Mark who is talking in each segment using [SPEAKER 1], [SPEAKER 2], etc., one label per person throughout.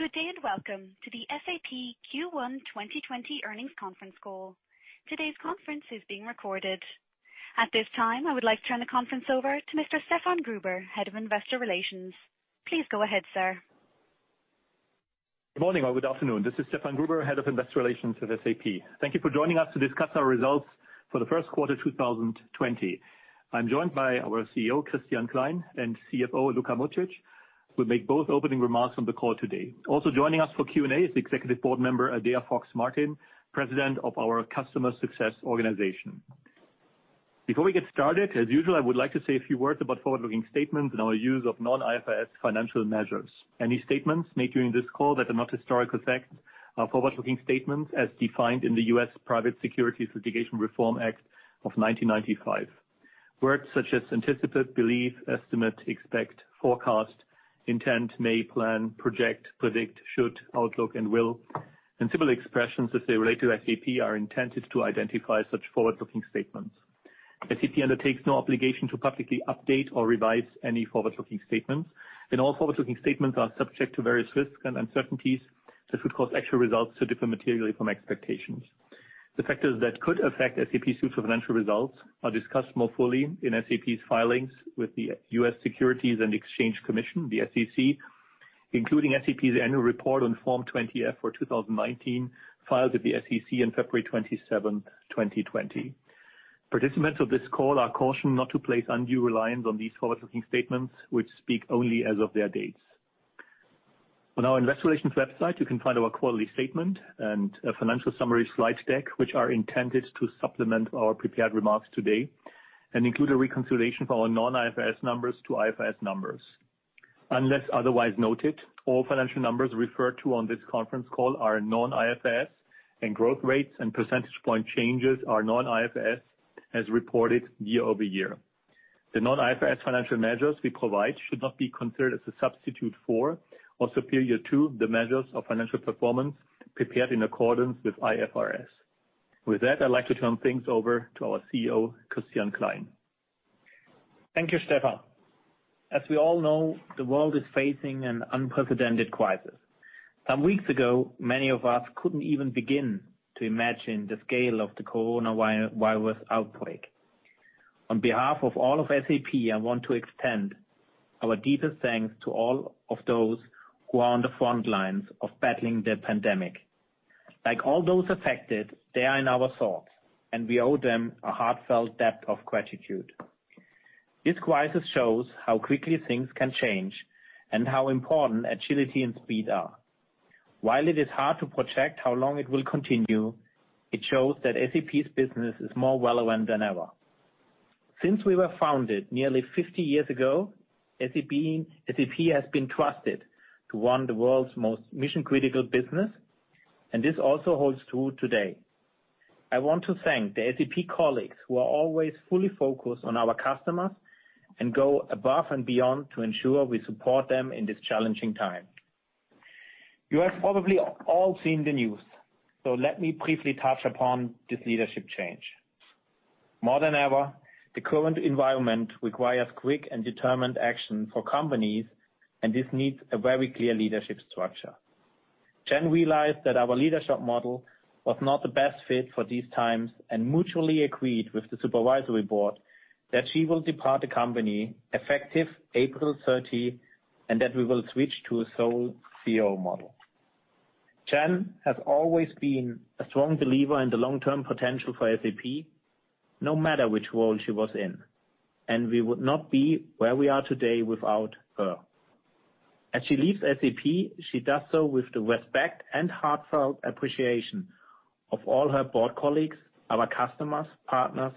[SPEAKER 1] Good day, welcome to the SAP Q1 2020 earnings conference call. Today's conference is being recorded. At this time, I would like to turn the conference over to Mr. Stefan Gruber, Head of Investor Relations. Please go ahead, sir.
[SPEAKER 2] Good morning, or good afternoon. This is Stefan Gruber, Head of Investor Relations at SAP. Thank you for joining us to discuss our results for the first quarter 2020. I am joined by our CEO, Christian Klein, and CFO, Luka Mucic, who make both opening remarks on the call today. Also joining us for Q&A is the Executive Board Member, Adaire Fox-Martin, President of our Customer Success organization. Before we get started, as usual, I would like to say a few words about forward-looking statements and our use of non-IFRS financial measures. Any statements made during this call that are not historical facts are forward-looking statements as defined in the U.S. Private Securities Litigation Reform Act of 1995. Words such as anticipate, believe, estimate, expect, forecast, intend, may, plan, project, predict, should, outlook, and will, and similar expressions as they relate to SAP are intended to identify such forward-looking statements. SAP undertakes no obligation to publicly update or revise any forward-looking statements, and all forward-looking statements are subject to various risks and uncertainties that could cause actual results to differ materially from expectations. The factors that could affect SAP's future financial results are discussed more fully in SAP's filings with the U.S. Securities and Exchange Commission, the SEC, including SAP's annual report on Form 20-F for 2019, filed with the SEC on February 27th, 2020. Participants of this call are cautioned not to place undue reliance on these forward-looking statements, which speak only as of their dates. On our investor relations website, you can find our quarterly statement and a financial summary slide deck, which are intended to supplement our prepared remarks today and include a reconciliation for our non-IFRS numbers to IFRS numbers. Unless otherwise noted, all financial numbers referred to on this conference call are non-IFRS, and growth rates and percentage point changes are non-IFRS as reported year-over-year. The non-IFRS financial measures we provide should not be considered as a substitute for or superior to the measures of financial performance prepared in accordance with IFRS. With that, I'd like to turn things over to our CEO, Christian Klein.
[SPEAKER 3] Thank you, Stefan. As we all know, the world is facing an unprecedented crisis. Some weeks ago, many of us couldn't even begin to imagine the scale of the coronavirus outbreak. On behalf of all of SAP, I want to extend our deepest thanks to all of those who are on the front lines of battling the pandemic. Like all those affected, they are in our thoughts, and we owe them a heartfelt debt of gratitude. This crisis shows how quickly things can change and how important agility and speed are. While it is hard to project how long it will continue, it shows that SAP's business is more relevant than ever. Since we were founded nearly 50 years ago, SAP has been trusted to run the world's most mission-critical business, and this also holds true today. I want to thank the SAP colleagues who are always fully focused on our customers and go above and beyond to ensure we support them in this challenging time. You have probably all seen the news. Let me briefly touch upon this leadership change. More than ever, the current environment requires quick and determined action for companies, and this needs a very clear leadership structure. Jen realized that our leadership model was not the best fit for these times and mutually agreed with the supervisory board that she will depart the company effective April 30, and that we will switch to a sole CEO model. Jen has always been a strong believer in the long-term potential for SAP, no matter which role she was in, and we would not be where we are today without her. As she leaves SAP, she does so with the respect and heartfelt appreciation of all her board colleagues, our customers, partners,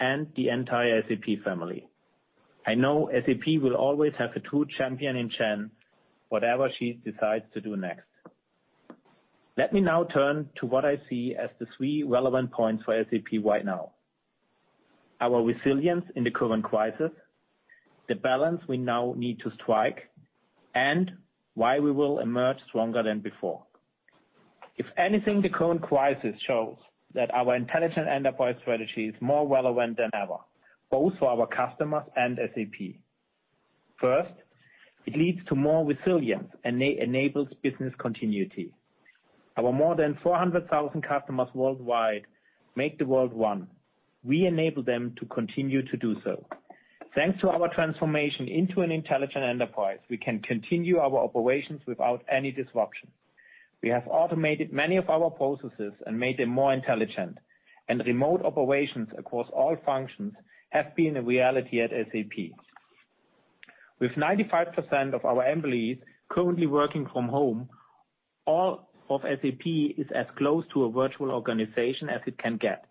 [SPEAKER 3] and the entire SAP family. I know SAP will always have a true champion in Jen, whatever she decides to do next. Let me now turn to what I see as the three relevant points for SAP right now: Our resilience in the current crisis, the balance we now need to strike, and why we will emerge stronger than before. If anything, the current crisis shows that our Intelligent Enterprise strategy is more relevant than ever, both for our customers and SAP. First, it leads to more resilience and enables business continuity. Our more than 400,000 customers worldwide make the world one. We enable them to continue to do so. Thanks to our transformation into an Intelligent Enterprise, we can continue our operations without any disruption. We have automated many of our processes and made them more intelligent, and remote operations across all functions have been a reality at SAP. With 95% of our employees currently working from home, all of SAP is as close to a virtual organization as it can get,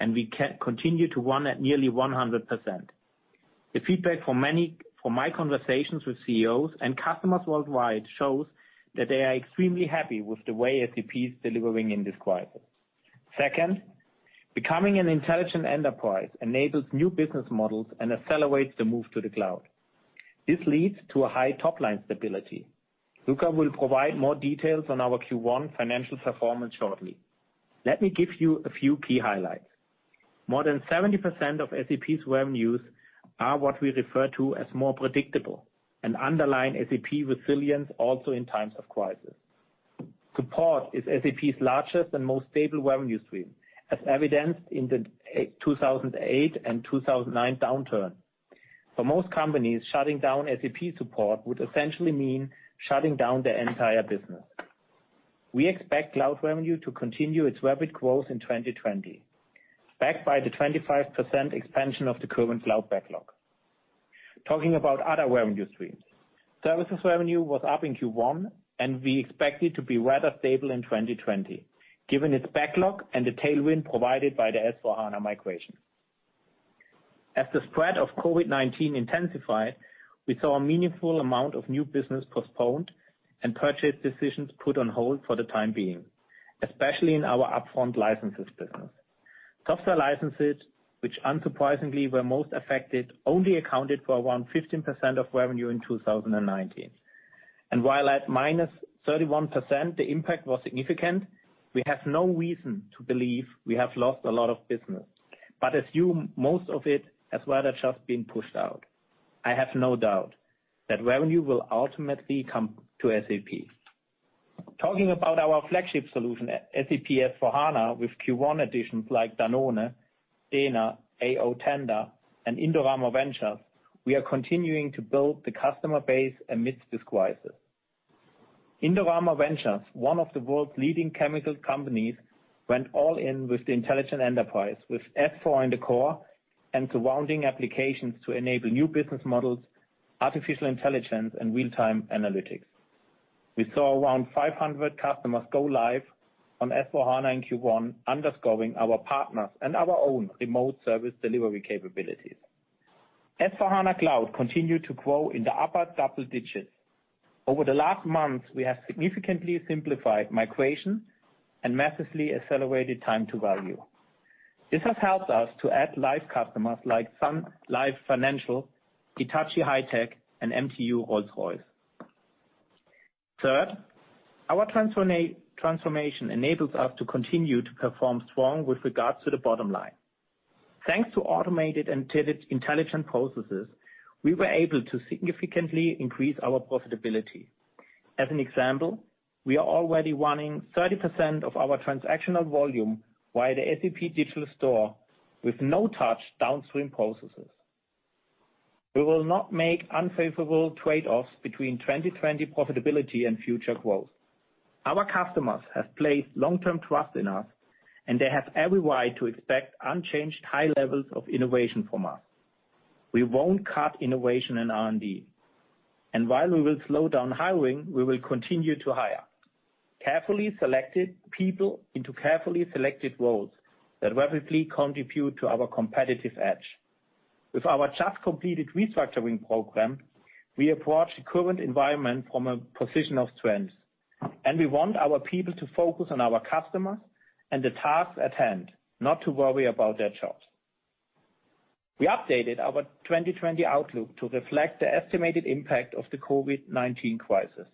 [SPEAKER 3] and we continue to run at nearly 100%. The feedback from my conversations with CEOs and customers worldwide shows that they are extremely happy with the way SAP is delivering in this crisis. Second, becoming an intelligent enterprise enables new business models and accelerates the move to the cloud. This leads to a high top-line stability. Luka will provide more details on our Q1 financial performance shortly. Let me give you a few key highlights. More than 70% of SAP's revenues are what we refer to as more predictable and underlie SAP resilience also in times of crisis. Support is SAP's largest and most stable revenue stream, as evidenced in the 2008 and 2009 downturn. For most companies, shutting down SAP support would essentially mean shutting down their entire business. We expect cloud revenue to continue its rapid growth in 2020, backed by the 25% expansion of the current cloud backlog. Talking about other revenue streams, services revenue was up in Q1, and we expect it to be rather stable in 2020, given its backlog and the tailwind provided by the S/4HANA migration. As the spread of COVID-19 intensified, we saw a meaningful amount of new business postponed and purchase decisions put on hold for the time being, especially in our upfront licenses business. Software licenses, which unsurprisingly were most affected, only accounted for around 15% of revenue in 2019. While at -31%, the impact was significant, we have no reason to believe we have lost a lot of business, but assume most of it has rather just been pushed out. I have no doubt that revenue will ultimately come to SAP. Talking about our flagship solution, SAP S/4HANA, with Q1 additions like Danone, Dana, Atento, and Indorama Ventures, we are continuing to build the customer base amidst this crisis. Indorama Ventures, one of the world's leading chemical companies, went all in with the intelligent enterprise with S/4 in the core and surrounding applications to enable new business models, artificial intelligence, and real-time analytics. We saw around 500 customers go live on S/4HANA in Q1, underscoring our partners and our own remote service delivery capabilities. S/4HANA Cloud continued to grow in the upper double digits. Over the last months, we have significantly simplified migration and massively accelerated time to value. This has helped us to add live customers like Sun Life Financial, Hitachi High-Tech, and mtu Rolls-Royce. Third, our transformation enables us to continue to perform strong with regards to the bottom line. Thanks to automated and intelligent processes, we were able to significantly increase our profitability. As an example, we are already running 30% of our transactional volume via the SAP Store with no-touch downstream processes. We will not make unfavorable trade-offs between 2020 profitability and future growth. Our customers have placed long-term trust in us, and they have every right to expect unchanged high levels of innovation from us. We won't cut innovation and R&D. While we will slow down hiring, we will continue to hire carefully selected people into carefully selected roles that rapidly contribute to our competitive edge. With our just completed restructuring program, we approach the current environment from a position of strength, and we want our people to focus on our customers and the tasks at hand, not to worry about their jobs. We updated our 2020 outlook to reflect the estimated impact of the COVID-19 crisis.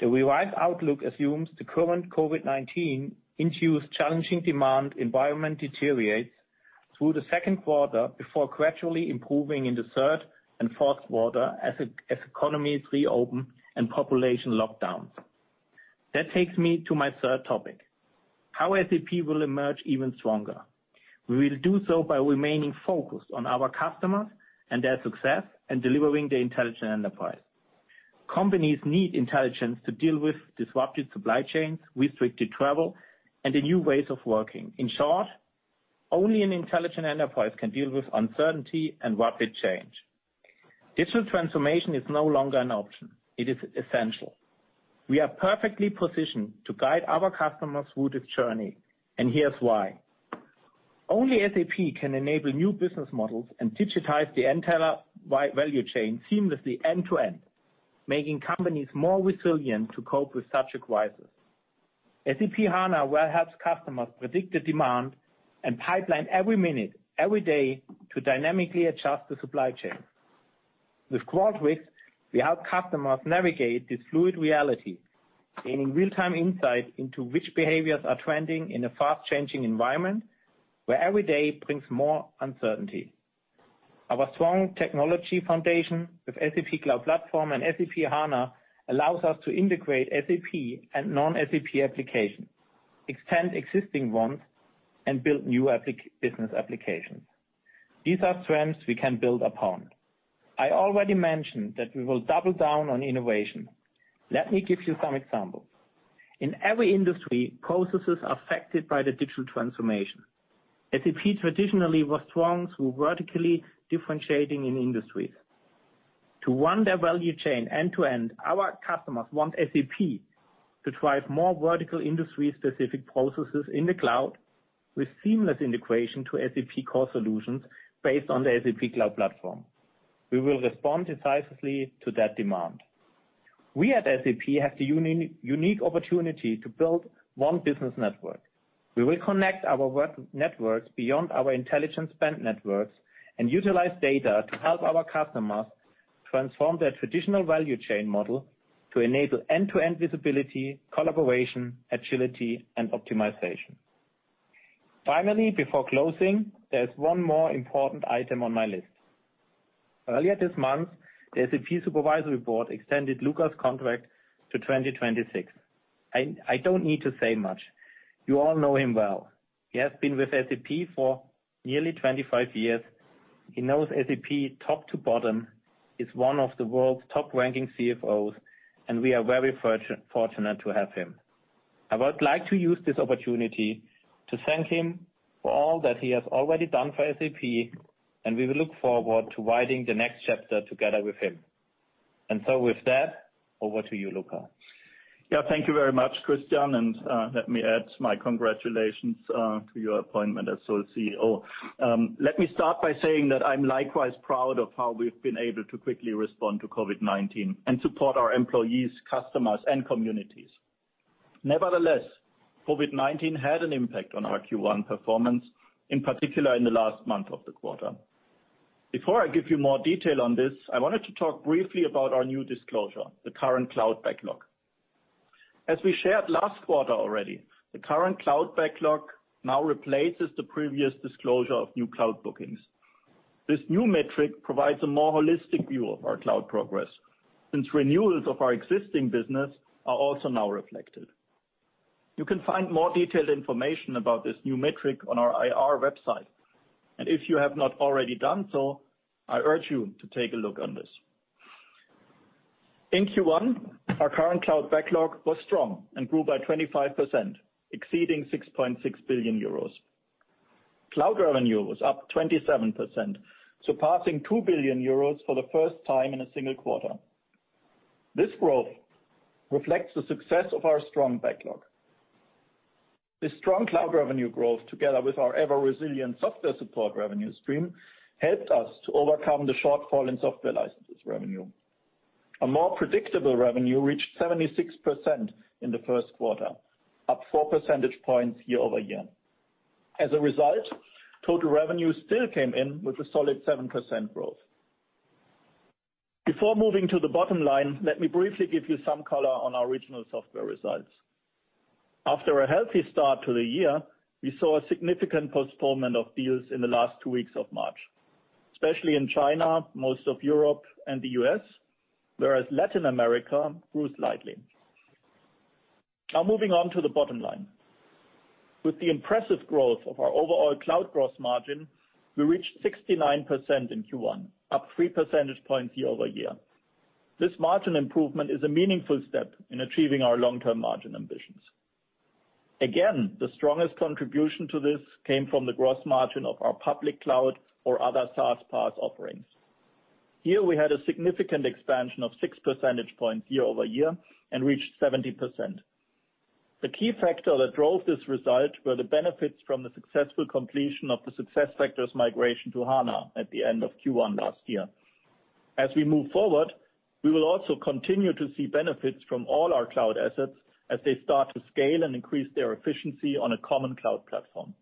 [SPEAKER 3] The revised outlook assumes the current COVID-19 induced challenging demand environment deteriorates through the second quarter before gradually improving in the third and fourth quarter as economies reopen and population lockdowns. That takes me to my third topic, how SAP will emerge even stronger. We will do so by remaining focused on our customers and their success in delivering the intelligent enterprise. Companies need intelligence to deal with disrupted supply chains, restricted travel, and the new ways of working. In short, only an intelligent enterprise can deal with uncertainty and rapid change. Digital transformation is no longer an option. It is essential. We are perfectly positioned to guide our customers through this journey. Here's why. Only SAP can enable new business models and digitize the entire value chain seamlessly end to end, making companies more resilient to cope with such a crisis. SAP HANA will help customers predict the demand and pipeline every minute, every day to dynamically adjust the supply chain. With Qualtrics, we help customers navigate this fluid reality, gaining real-time insight into which behaviors are trending in a fast-changing environment where every day brings more uncertainty. Our strong technology foundation with SAP Cloud Platform and SAP HANA allows us to integrate SAP and non-SAP applications, extend existing ones, and build new business applications. These are strengths we can build upon. I already mentioned that we will double down on innovation. Let me give you some examples. In every industry, processes are affected by the digital transformation. SAP traditionally was strong through vertically differentiating in industries. To run their value chain end-to-end, our customers want SAP to drive more vertical industry-specific processes in the cloud with seamless integration to SAP core solutions based on the SAP Cloud Platform. We will respond decisively to that demand. We at SAP have the unique opportunity to build one business network. We will connect our work networks beyond our intelligence spend networks and utilize data to help our customers transform their traditional value chain model to enable end-to-end visibility, collaboration, agility, and optimization. Finally, before closing, there's one more important item on my list. Earlier this month, the SAP Supervisory Board extended Luka's contract to 2026. I don't need to say much. You all know him well. He has been with SAP for nearly 25 years. He knows SAP top to bottom. He's one of the world's top-ranking CFOs, and we are very fortunate to have him. I would like to use this opportunity to thank him for all that he has already done for SAP, and we will look forward to writing the next chapter together with him. With that, over to you, Luka.
[SPEAKER 4] Thank you very much, Christian. Let me add my congratulations to your appointment as co-CEO. Let me start by saying that I'm likewise proud of how we've been able to quickly respond to COVID-19 and support our employees, customers, and communities. Nevertheless, COVID-19 had an impact on our Q1 performance, in particular, in the last month of the quarter. Before I give you more detail on this, I wanted to talk briefly about our new disclosure, the current cloud backlog. As we shared last quarter already, the current cloud backlog now replaces the previous disclosure of new cloud bookings. This new metric provides a more holistic view of our cloud progress, since renewals of our existing business are also now reflected. You can find more detailed information about this new metric on our IR website. If you have not already done so, I urge you to take a look on this. In Q1, our current cloud backlog was strong and grew by 25%, exceeding 6.6 billion euros. Cloud revenue was up 27%, surpassing 2 billion euros for the first time in a single quarter. This growth reflects the success of our strong backlog. This strong cloud revenue growth, together with our ever-resilient software support revenue stream, helped us to overcome the shortfall in software licenses revenue. A more predictable revenue reached 76% in the first quarter, up 4 percentage points year-over-year. As a result, total revenue still came in with a solid 7% growth. Before moving to the bottom line, let me briefly give you some color on our original software results. After a healthy start to the year, we saw a significant postponement of deals in the last two weeks of March, especially in China, most of Europe, and the U.S., whereas Latin America grew slightly. Moving on to the bottom line. With the impressive growth of our overall cloud gross margin, we reached 69% in Q1, up 3 percentage points year-over-year. This margin improvement is a meaningful step in achieving our long-term margin ambitions. The strongest contribution to this came from the gross margin of our public cloud or other SaaS/PaaS offerings. Here, we had a significant expansion of 6 percentage points year-over-year and reached 70%. The key factor that drove this result were the benefits from the successful completion of the SuccessFactors migration to HANA at the end of Q1 last year. As we move forward, we will also continue to see benefits from all our cloud assets as they start to scale and increase their efficiency on a common cloud platform.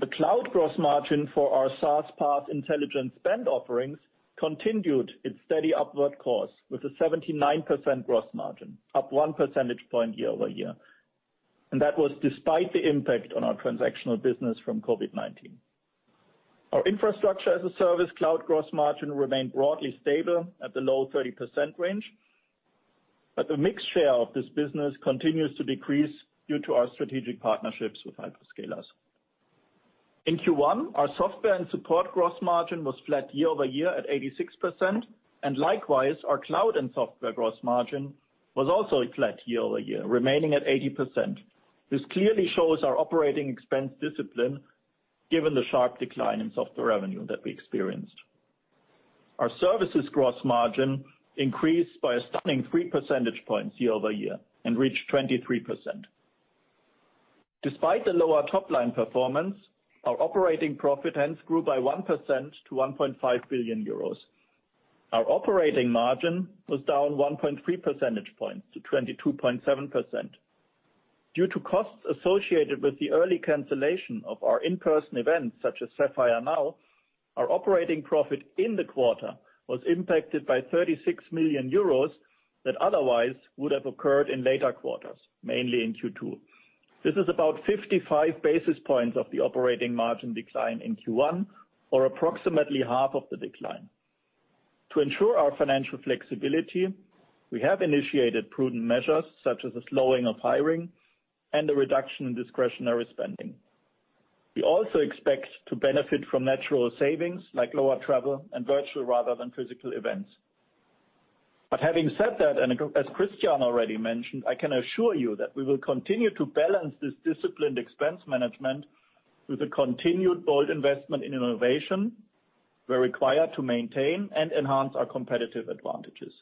[SPEAKER 4] The cloud gross margin for our SaaS/PaaS intelligent spend offerings continued its steady upward course with a 79% gross margin, up 1 percentage point year-over-year. That was despite the impact on our transactional business from COVID-19. Our infrastructure as a service cloud gross margin remained broadly stable at the low 30% range, but the mixed share of this business continues to decrease due to our strategic partnerships with hyperscalers. In Q1, our software and support gross margin was flat year-over-year at 86%, and likewise, our cloud and software gross margin was also flat year-over-year, remaining at 80%. This clearly shows our operating expense discipline, given the sharp decline in software revenue that we experienced. Our services gross margin increased by a stunning 3 percentage points year-over-year and reached 23%. Despite the lower top-line performance, our operating profit hence grew by 1% to 1.5 billion euros. Our operating margin was down 1.3 percentage points to 22.7%. Due to costs associated with the early cancellation of our in-person events such as SAPPHIRE NOW, our operating profit in the quarter was impacted by 36 million euros that otherwise would have occurred in later quarters, mainly in Q2. This is about 55 basis points of the operating margin decline in Q1, or approximately half of the decline. To ensure our financial flexibility, we have initiated prudent measures such as a slowing of hiring and a reduction in discretionary spending. We also expect to benefit from natural savings like lower travel and virtual rather than physical events. Having said that, and as Christian already mentioned, I can assure you that we will continue to balance this disciplined expense management with a continued bold investment in innovation we require to maintain and enhance our competitive advantages.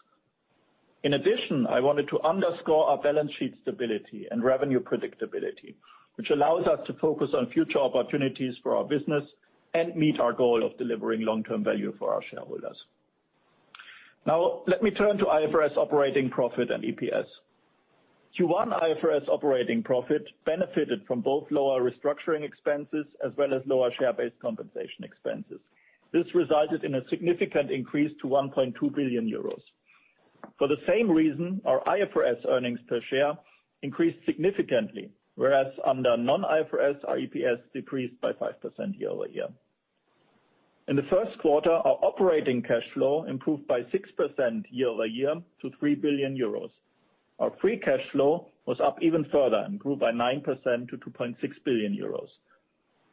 [SPEAKER 4] I wanted to underscore our balance sheet stability and revenue predictability, which allows us to focus on future opportunities for our business and meet our goal of delivering long-term value for our shareholders. Now let me turn to IFRS operating profit and EPS. Q1 IFRS operating profit benefited from both lower restructuring expenses as well as lower share-based compensation expenses. This resulted in a significant increase to 1.2 billion euros. For the same reason, our IFRS earnings per share increased significantly, whereas under non-IFRS, our EPS decreased by 5% year-over-year. In the first quarter, our operating cash flow improved by 6% year-over-year to 3 billion euros. Our free cash flow was up even further, improved by 9% to 2.6 billion euros.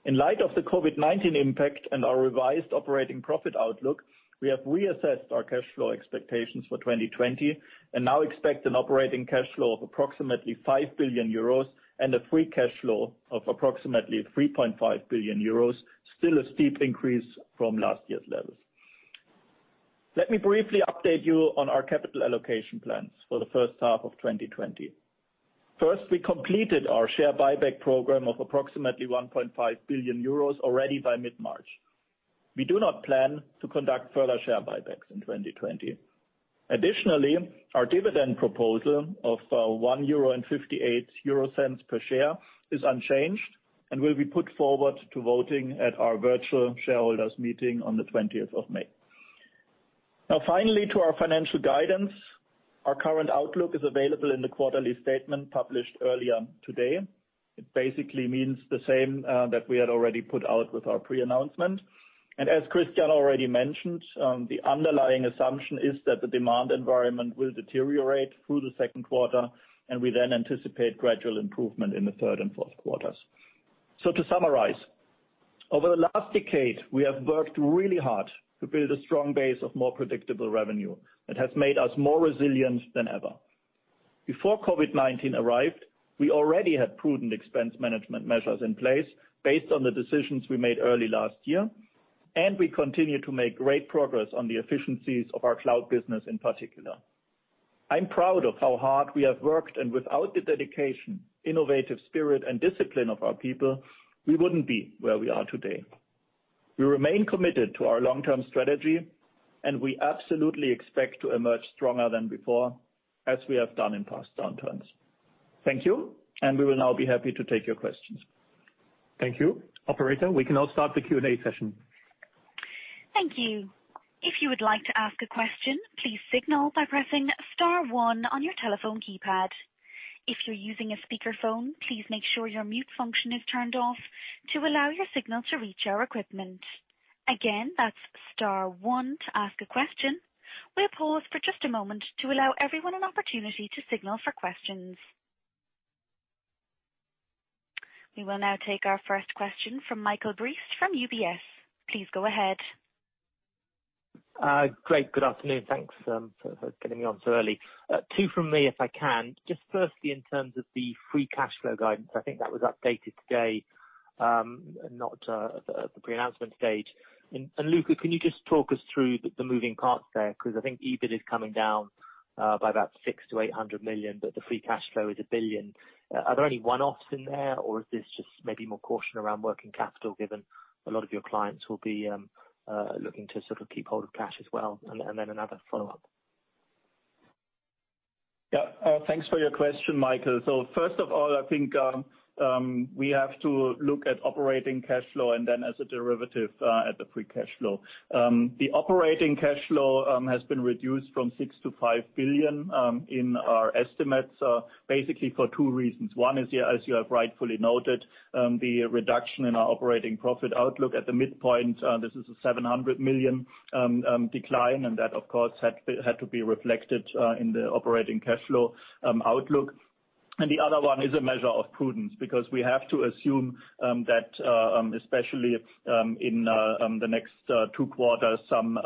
[SPEAKER 4] In light of the COVID-19 impact and our revised operating profit outlook, we have reassessed our cash flow expectations for 2020 and now expect an operating cash flow of approximately 5 billion euros and a free cash flow of approximately 3.5 billion euros, still a steep increase from last year's levels. Let me briefly update you on our capital allocation plans for the first half of 2020. First, we completed our share buyback program of approximately 1.5 billion euros already by mid-March. We do not plan to conduct further share buybacks in 2020. Additionally, our dividend proposal of 1.58 euro per share is unchanged and will be put forward to voting at our virtual shareholders meeting on the 20th of May. Finally, to our financial guidance. Our current outlook is available in the quarterly statement published earlier today. It basically means the same that we had already put out with our pre-announcement. As Christian already mentioned, the underlying assumption is that the demand environment will deteriorate through the second quarter, and we then anticipate gradual improvement in the third and fourth quarters. To summarize, over the last decade, we have worked really hard to build a strong base of more predictable revenue that has made us more resilient than ever. Before COVID-19 arrived, we already had prudent expense management measures in place based on the decisions we made early last year, and we continue to make great progress on the efficiencies of our cloud business in particular. I'm proud of how hard we have worked, and without the dedication, innovative spirit and discipline of our people, we wouldn't be where we are today. We remain committed to our long-term strategy, and we absolutely expect to emerge stronger than before, as we have done in past downturns. Thank you, and we will now be happy to take your questions.
[SPEAKER 2] Thank you. Operator, we can now start the Q&A session.
[SPEAKER 1] Thank you. If you would like to ask a question, please signal by pressing star one on your telephone keypad. If you're using a speakerphone, please make sure your mute function is turned off to allow your signal to reach our equipment. Again, that's star one to ask a question. We'll pause for just a moment to allow everyone an opportunity to signal for questions. We will now take our first question from Michael Briest from UBS. Please go ahead.
[SPEAKER 5] Great. Good afternoon. Thanks for getting me on so early. Two from me, if I can. Just firstly, in terms of the free cash flow guidance, I think that was updated today, not at the pre-announcement stage. Luka, can you just talk us through the moving parts there? Because I think EBIT is coming down by about 600 million-800 million, but the free cash flow is 1 billion. Are there any one-offs in there, or is this just maybe more caution around working capital, given a lot of your clients will be looking to sort of keep hold of cash as well? Another follow-up.
[SPEAKER 4] Yeah. Thanks for your question, Michael. First of all, I think we have to look at operating cash flow and then as a derivative at the free cash flow. The operating cash flow has been reduced from 6 billion-5 billion in our estimates. Basically for two reasons. One is, as you have rightfully noted, the reduction in our operating profit outlook at the midpoint. This is a 700 million decline, and that of course, had to be reflected in the operating cash flow outlook. The other one is a measure of prudence, because we have to assume that especially in the next two quarters, some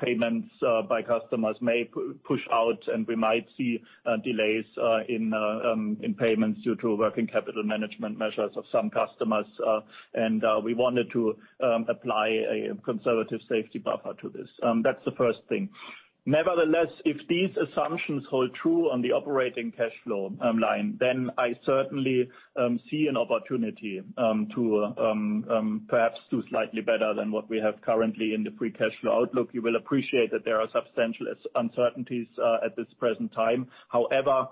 [SPEAKER 4] payments by customers may push out, and we might see delays in payments due to working capital management measures of some customers. We wanted to apply a conservative safety buffer to this. That's the first thing. Nevertheless, if these assumptions hold true on the operating cash flow line, then I certainly see an opportunity to perhaps do slightly better than what we have currently in the free cash flow outlook. You will appreciate that there are substantial uncertainties at this present time. However,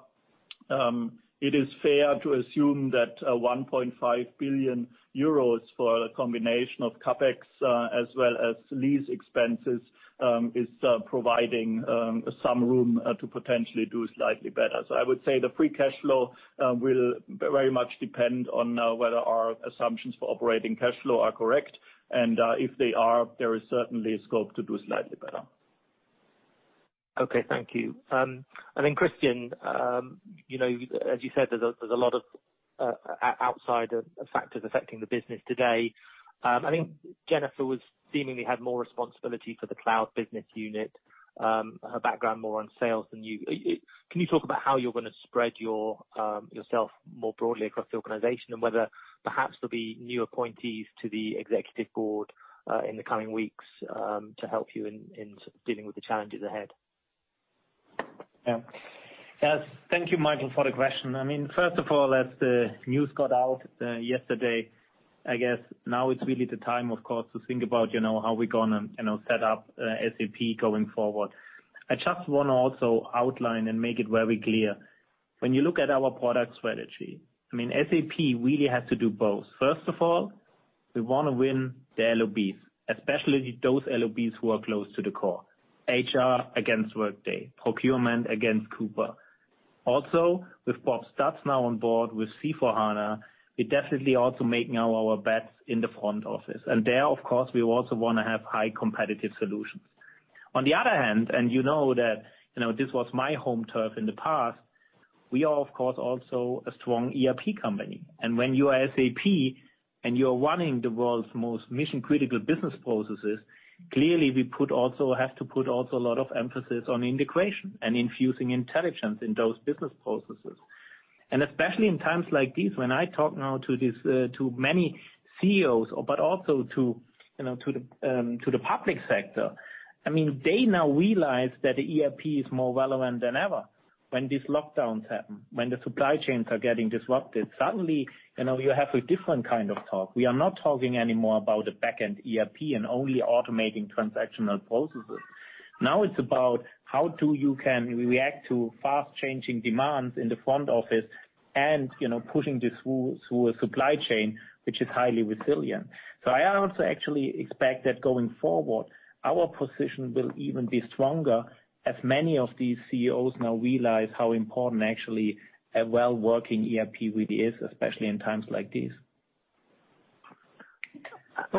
[SPEAKER 4] it is fair to assume that 1.5 billion euros for a combination of CapEx as well as lease expenses, is providing some room to potentially do slightly better. I would say the free cash flow will very much depend on whether our assumptions for operating cash flow are correct, and if they are, there is certainly scope to do slightly better.
[SPEAKER 5] Okay. Thank you. Christian, as you said, there's a lot of outside factors affecting the business today. I think Jennifer seemingly had more responsibility for the cloud business unit, her background more on sales than you. Can you talk about how you're going to spread yourself more broadly across the organization and whether perhaps there'll be new appointees to the Executive Board in the coming weeks to help you in dealing with the challenges ahead?
[SPEAKER 3] Yeah. Thank you, Michael, for the question. First of all, as the news got out yesterday, I guess now it's really the time, of course, to think about how we're going to set up SAP going forward. I just want to also outline and make it very clear. When you look at our product strategy, SAP really has to do both. First of all, we want to win the LOBs, especially those LOBs who are close to the core, HR against Workday, procurement against Coupa. Also, with Bob Stutz now on board with C/4HANA, we're definitely also making now our bets in the front office. There, of course, we also want to have high competitive solutions. On the other hand, and you know that this was my home turf in the past, we are of course also a strong ERP company. When you are SAP, and you're running the world's most mission-critical business processes, clearly, we have to put also a lot of emphasis on integration and infusing intelligence in those business processes. Especially in times like these, when I talk now to many CEOs, but also to the public sector, they now realize that the ERP is more relevant than ever when these lockdowns happen, when the supply chains are getting disrupted. Suddenly, you have a different kind of talk. We are not talking anymore about a back end ERP and only automating transactional processes. Now it's about how you can react to fast-changing demands in the front office and pushing this through a supply chain, which is highly resilient. I also actually expect that going forward, our position will even be stronger as many of these CEOs now realize how important actually a well-working ERP really is, especially in times like these.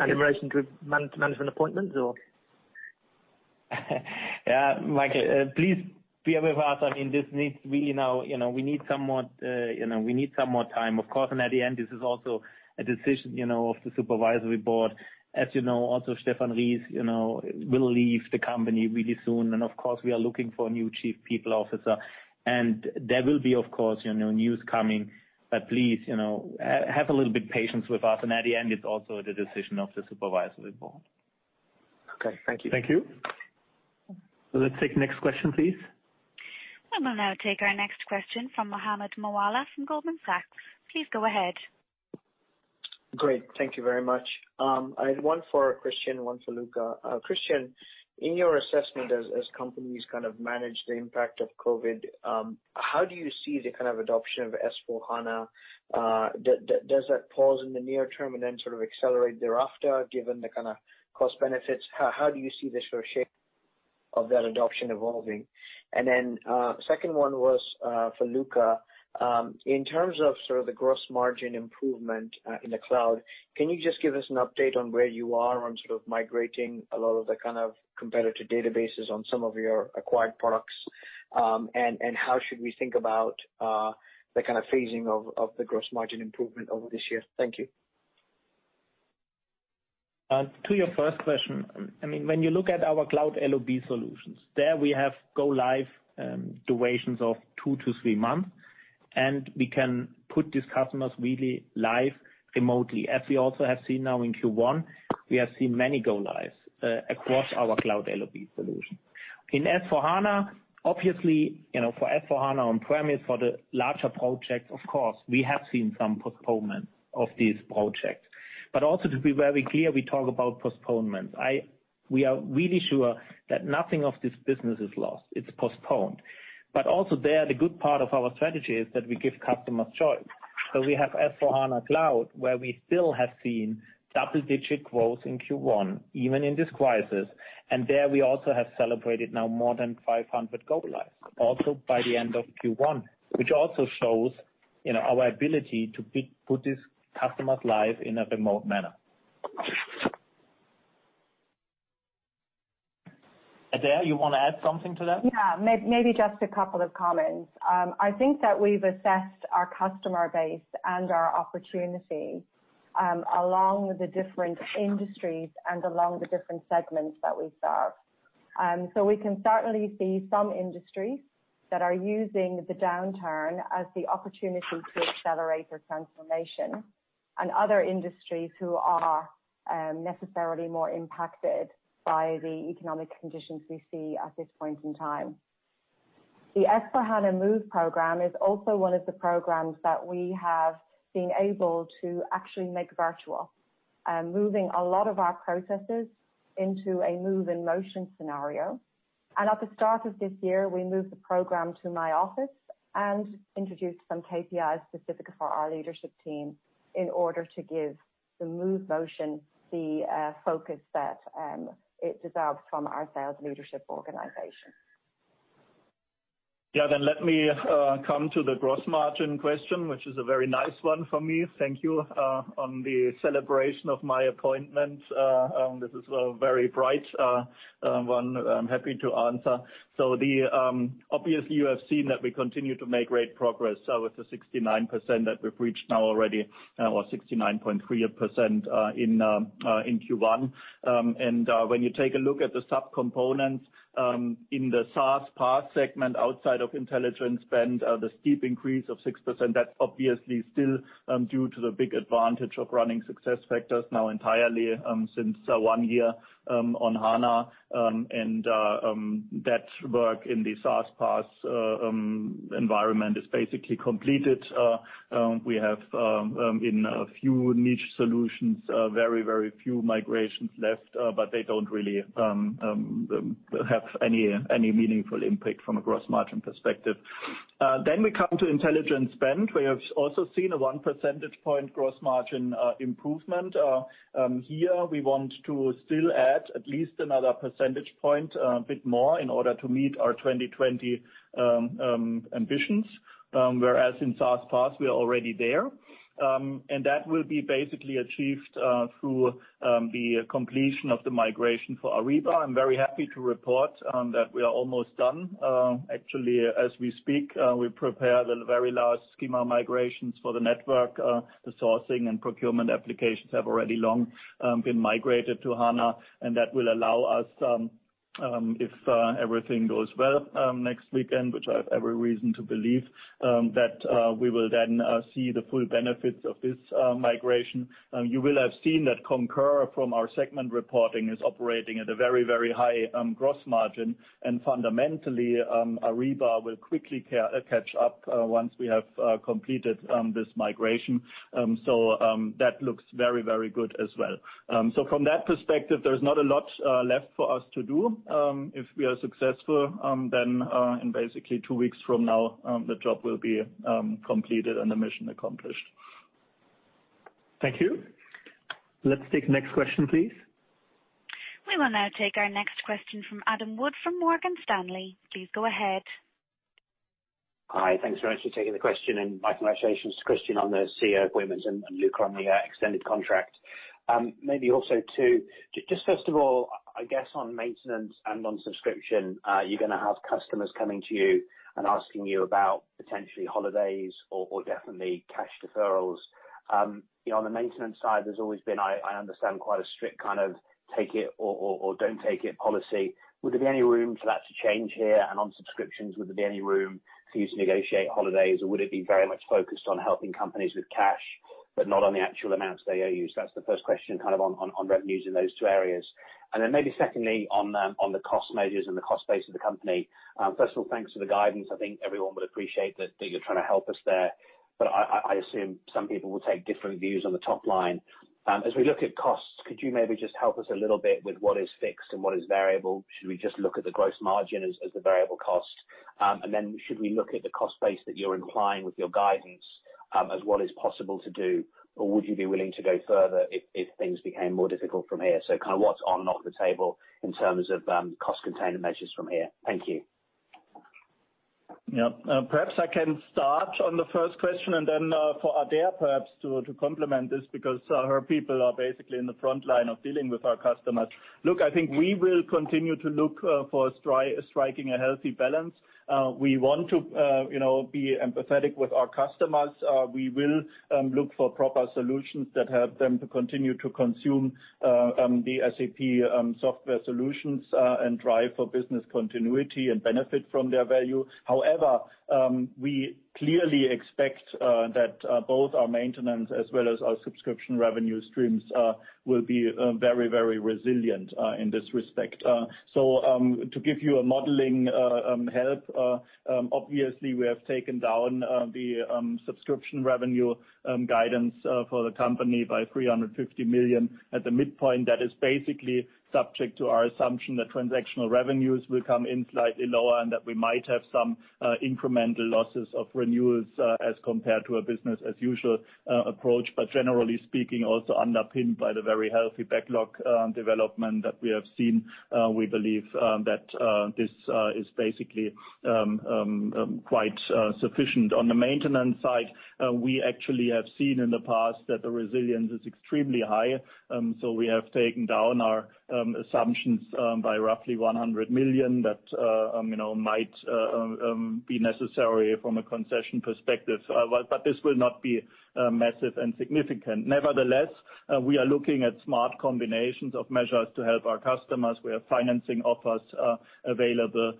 [SPEAKER 5] Any relation to management appointments or?
[SPEAKER 3] Michael, please bear with us. We need some more time, of course, and at the end, this is also a decision of the supervisory board. As you know, also Stefan Ries will leave the company really soon, and of course, we are looking for a new Chief People Officer. There will be, of course, news coming, but please have a little bit patience with us. At the end, it's also the decision of the supervisory board.
[SPEAKER 5] Okay. Thank you.
[SPEAKER 2] Thank you. Let's take next question, please.
[SPEAKER 1] We will now take our next question from Mohammed Moawalla from Goldman Sachs. Please go ahead.
[SPEAKER 6] Great. Thank you very much. I had one for Christian, one for Luka. Christian, in your assessment as companies kind of manage the impact of COVID, how do you see the kind of adoption of S/4HANA? Does that pause in the near term and then sort of accelerate thereafter, given the kind of cost benefits? How do you see the sort of shape of that adoption evolving? Second one was for Luka. In terms of sort of the gross margin improvement in the cloud, can you just give us an update on where you are on sort of migrating a lot of the kind of competitive databases on some of your acquired products? How should we think about the kind of phasing of the gross margin improvement over this year? Thank you.
[SPEAKER 3] To your first question, when you look at our cloud LOB solutions, there we have go live durations of two to three months, and we can put these customers really live remotely. We also have seen now in Q1, we have seen many go lives across our cloud LOB solution. In S/4HANA, obviously, for S/4HANA on-premise, for the larger projects, of course, we have seen some postponement of these projects. Also to be very clear, we talk about postponements. We are really sure that nothing of this business is lost. It's postponed. Also there, the good part of our strategy is that we give customers choice. We have S/4HANA Cloud, where we still have seen double-digit growth in Q1, even in this crisis. There we also have celebrated now more than 500 go-lives also by the end of Q1, which also shows our ability to put these customers live in a remote manner. Adaire, you want to add something to that?
[SPEAKER 7] Yeah. Maybe just a couple of comments. I think that we've assessed our customer base and our opportunity along the different industries and along the different segments that we serve. We can certainly see some industries that are using the downturn as the opportunity to accelerate their transformation, and other industries who are necessarily more impacted by the economic conditions we see at this point in time. The S/4HANA Move Program is also one of the programs that we have been able to actually make virtual, moving a lot of our processes into a move in motion scenario. At the start of this year, we moved the program to my office and introduced some KPIs specific for our leadership team in order to give the Move Motion the focus that it deserves from our sales leadership organization.
[SPEAKER 4] Yeah. Let me come to the gross margin question, which is a very nice one for me. Thank you. On the celebration of my appointment, this is a very bright one. I'm happy to answer. Obviously, you have seen that we continue to make great progress with the 69% that we've reached now already or 69.3% in Q1. When you take a look at the subcomponents in the SaaS/PaaS segment outside of intelligent spend, the steep increase of 6%, that's obviously still due to the big advantage of running SuccessFactors now entirely since one year on HANA, and that work in the SaaS/PaaS environment is basically completed. We have in a few niche solutions, very few migrations left, but they don't really have any meaningful impact from a gross margin perspective. We come to intelligent spend. We have also seen a one percentage point gross margin improvement. Here we want to still add at least another percentage point, a bit more, in order to meet our 2020 ambitions. In SaaS/PaaS, we are already there. That will be basically achieved through the completion of the migration for Ariba. I'm very happy to report that we are almost done. Actually, as we speak, we prepare the very last schema migrations for the network. The sourcing and procurement applications have already long been migrated to HANA, and that will allow us, if everything goes well next weekend, which I have every reason to believe, that we will then see the full benefits of this migration. You will have seen that Concur, from our segment reporting, is operating at a very, very high gross margin. Fundamentally, Ariba will quickly catch up once we have completed this migration. That looks very, very good as well. From that perspective, there's not a lot left for us to do. If we are successful, then in basically two weeks from now, the job will be completed and the mission accomplished.
[SPEAKER 2] Thank you. Let's take the next question, please.
[SPEAKER 1] We will now take our next question from Adam Wood from Morgan Stanley. Please go ahead.
[SPEAKER 8] Hi. Thanks very much for taking the question and my congratulations to Christian on the CEO appointments and Luka on the extended contract. Maybe also to just first of all, I guess, on maintenance and on subscription, you're going to have customers coming to you and asking you about potentially holidays or definitely cash deferrals. On the maintenance side, there's always been, I understand, quite a strict kind of take it or don't take it policy. Would there be any room for that to change here? On subscriptions, would there be any room for you to negotiate holidays, or would it be very much focused on helping companies with cash, but not on the actual amounts they owe you? That's the first question on revenues in those two areas. Maybe secondly, on the cost measures and the cost base of the company. First of all, thanks for the guidance. I think everyone would appreciate that you're trying to help us there. I assume some people will take different views on the top line. As we look at costs, could you maybe just help us a little bit with what is fixed and what is variable? Should we just look at the gross margin as the variable cost? Should we look at the cost base that you're implying with your guidance as what is possible to do? Would you be willing to go further if things became more difficult from here? What's on, off the table in terms of cost containment measures from here? Thank you.
[SPEAKER 4] Perhaps I can start on the first question and then for Adaire perhaps to complement this because her people are basically in the front line of dealing with our customers. I think we will continue to look for striking a healthy balance. We want to be empathetic with our customers. We will look for proper solutions that help them to continue to consume the SAP software solutions and drive for business continuity and benefit from their value. We clearly expect that both our maintenance as well as our subscription revenue streams will be very resilient in this respect. To give you a modeling help, obviously we have taken down the subscription revenue guidance for the company by 350 million at the midpoint. That is basically subject to our assumption that transactional revenues will come in slightly lower and that we might have some incremental losses of renewals as compared to a business as usual approach. Generally speaking, also underpinned by the very healthy backlog development that we have seen. We believe that this is basically quite sufficient. On the maintenance side, we actually have seen in the past that the resilience is extremely high. We have taken down our assumptions by roughly 100 million that might be necessary from a concession perspective. This will not be massive and significant. Nevertheless, we are looking at smart combinations of measures to help our customers. We have financing offers available.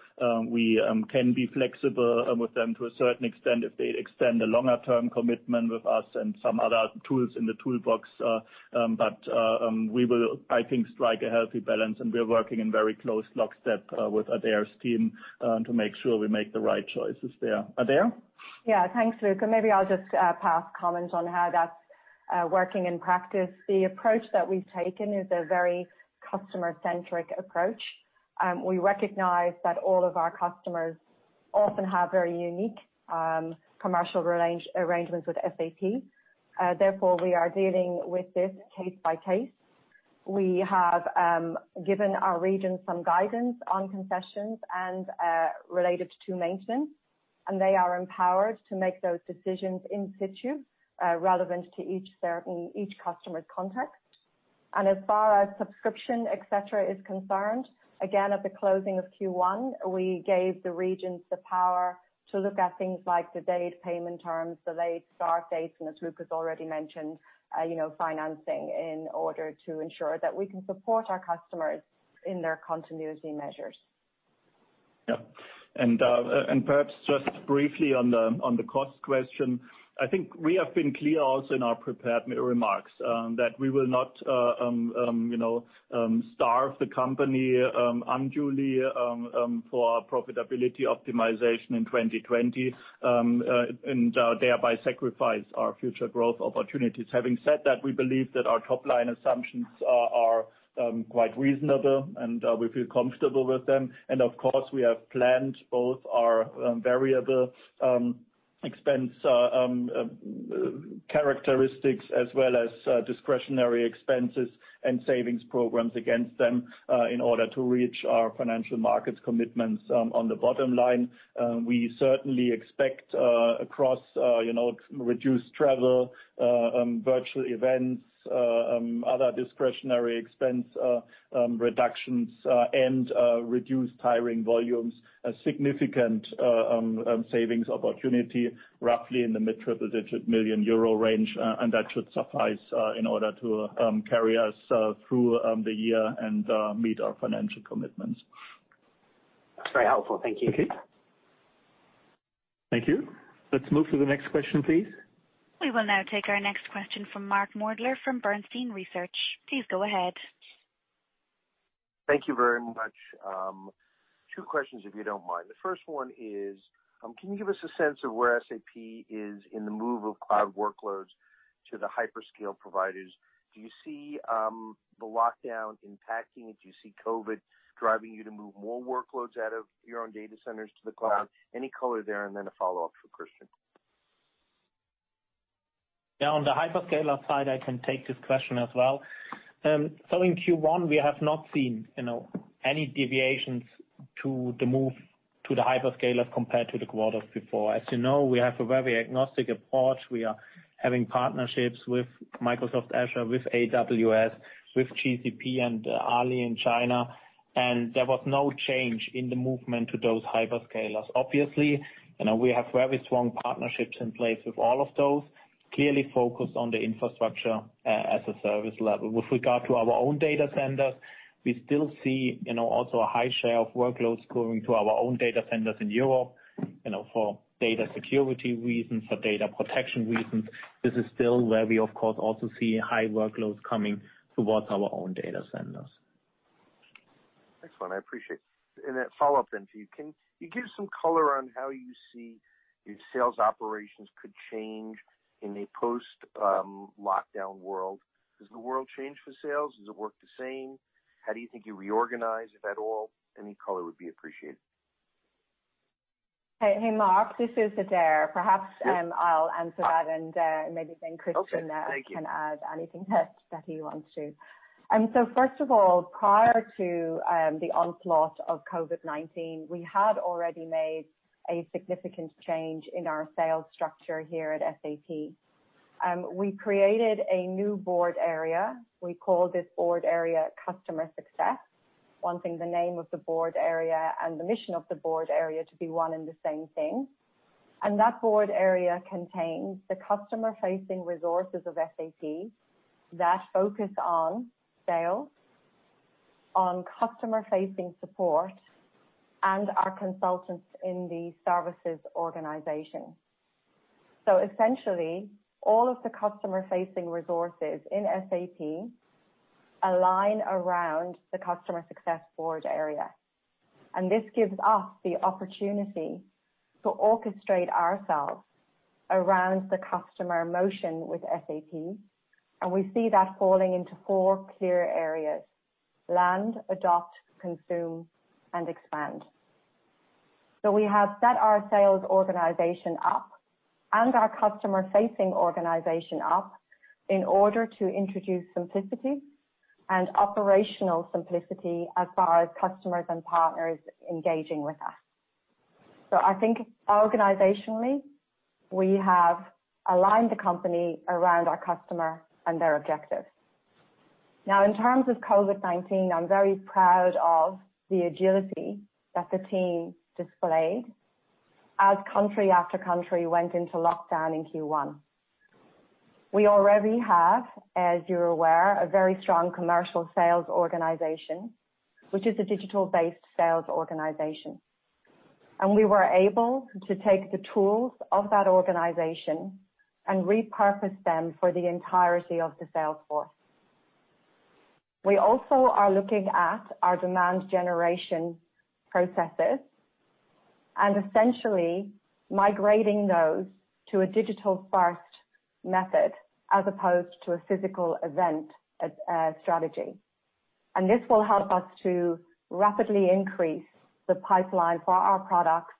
[SPEAKER 4] We can be flexible with them to a certain extent if they extend a longer-term commitment with us and some other tools in the toolbox. We will, I think, strike a healthy balance, and we are working in very close lockstep with Adaire's team to make sure we make the right choices there. Adaire?
[SPEAKER 7] Yeah. Thanks, Luka. Maybe I'll just pass comment on how that's working in practice. The approach that we've taken is a very customer-centric approach. We recognize that all of our customers often have very unique commercial arrangements with SAP. Therefore, we are dealing with this case by case. We have given our regions some guidance on concessions and related to maintenance, and they are empowered to make those decisions in situ relevant to each customer's context. As far as subscription, et cetera, is concerned, again, at the closing of Q1, we gave the regions the power to look at things like delayed payment terms, delayed start dates, and as Luka's already mentioned, financing in order to ensure that we can support our customers in their continuity measures.
[SPEAKER 4] Yeah. Perhaps just briefly on the cost question, I think we have been clear also in our prepared remarks that we will not starve the company unduly for profitability optimization in 2020, and thereby sacrifice our future growth opportunities. Having said that, we believe that our top-line assumptions are quite reasonable, and we feel comfortable with them. Of course, we have planned both our variable expense characteristics as well as discretionary expenses and savings programs against them in order to reach our financial markets commitments on the bottom line. We certainly expect across reduced travel, virtual events, other discretionary expense reductions, and reduced hiring volumes, a significant savings opportunity, roughly in the mid-triple digit million euro range, and that should suffice in order to carry us through the year and meet our financial commitments.
[SPEAKER 8] That's very helpful. Thank you.
[SPEAKER 4] Okay.
[SPEAKER 2] Thank you. Let's move to the next question, please.
[SPEAKER 1] We will now take our next question from Mark Moerdler from Bernstein Research. Please go ahead.
[SPEAKER 9] Thank you very much. two questions, if you don't mind. The first one is, can you give us a sense of where SAP is in the move of cloud workloads to the hyperscale providers? Do you see the lockdown impacting it? Do you see COVID driving you to move more workloads out of your own data centers to the cloud? Any color there, and then a follow-up for Christian.
[SPEAKER 4] Yeah. On the hyperscaler side, I can take this question as well. In Q1, we have not seen any deviations to the move to the hyperscalers compared to the quarters before. As you know, we have a very agnostic approach. We are having partnerships with Microsoft Azure, with AWS, with GCP, and Ali in China. There was no change in the movement to those hyperscalers. Obviously, we have very strong partnerships in place with all of those, clearly focused on the infrastructure as a service level. With regard to our own data centers, we still see also a high share of workloads going to our own data centers in Europe, for data security reasons, for data protection reasons. This is still where we, of course, also see high workloads coming towards our own data centers.
[SPEAKER 9] Excellent. I appreciate. A follow-up then for you. Can you give some color on how you see your sales operations could change in a post-lockdown world? Does the world change for sales? Does it work the same? How do you think you reorganize, if at all? Any color would be appreciated.
[SPEAKER 7] Hey, Mark, this is Adaire. Perhaps I'll answer that and maybe then Christian-
[SPEAKER 9] Okay. Thank you
[SPEAKER 7] can add anything that he wants to. First of all, prior to the onslaught of COVID-19, we had already made a significant change in our sales structure here at SAP. We created a new board area. We call this board area Customer Success, wanting the name of the board area and the mission of the board area to be one and the same thing. That board area contains the customer-facing resources of SAP that focus on sales, on customer-facing support, and our consultants in the services organization. Essentially, all of the customer-facing resources in SAP align around the Customer Success board area. This gives us the opportunity to orchestrate ourselves around the customer motion with SAP, and we see that falling into four clear areas: land, adopt, consume, and expand. We have set our sales organization up and our customer-facing organization up in order to introduce simplicity and operational simplicity as far as customers and partners engaging with us. I think organizationally, we have aligned the company around our customer and their objectives. Now, in terms of COVID-19, I'm very proud of the agility that the team displayed as country after country went into lockdown in Q1. We already have, as you're aware, a very strong commercial sales organization, which is a digital-based sales organization. We were able to take the tools of that organization and repurpose them for the entirety of the sales force. We also are looking at our demand generation processes and essentially migrating those to a digital-first method as opposed to a physical event strategy. This will help us to rapidly increase the pipeline for our products,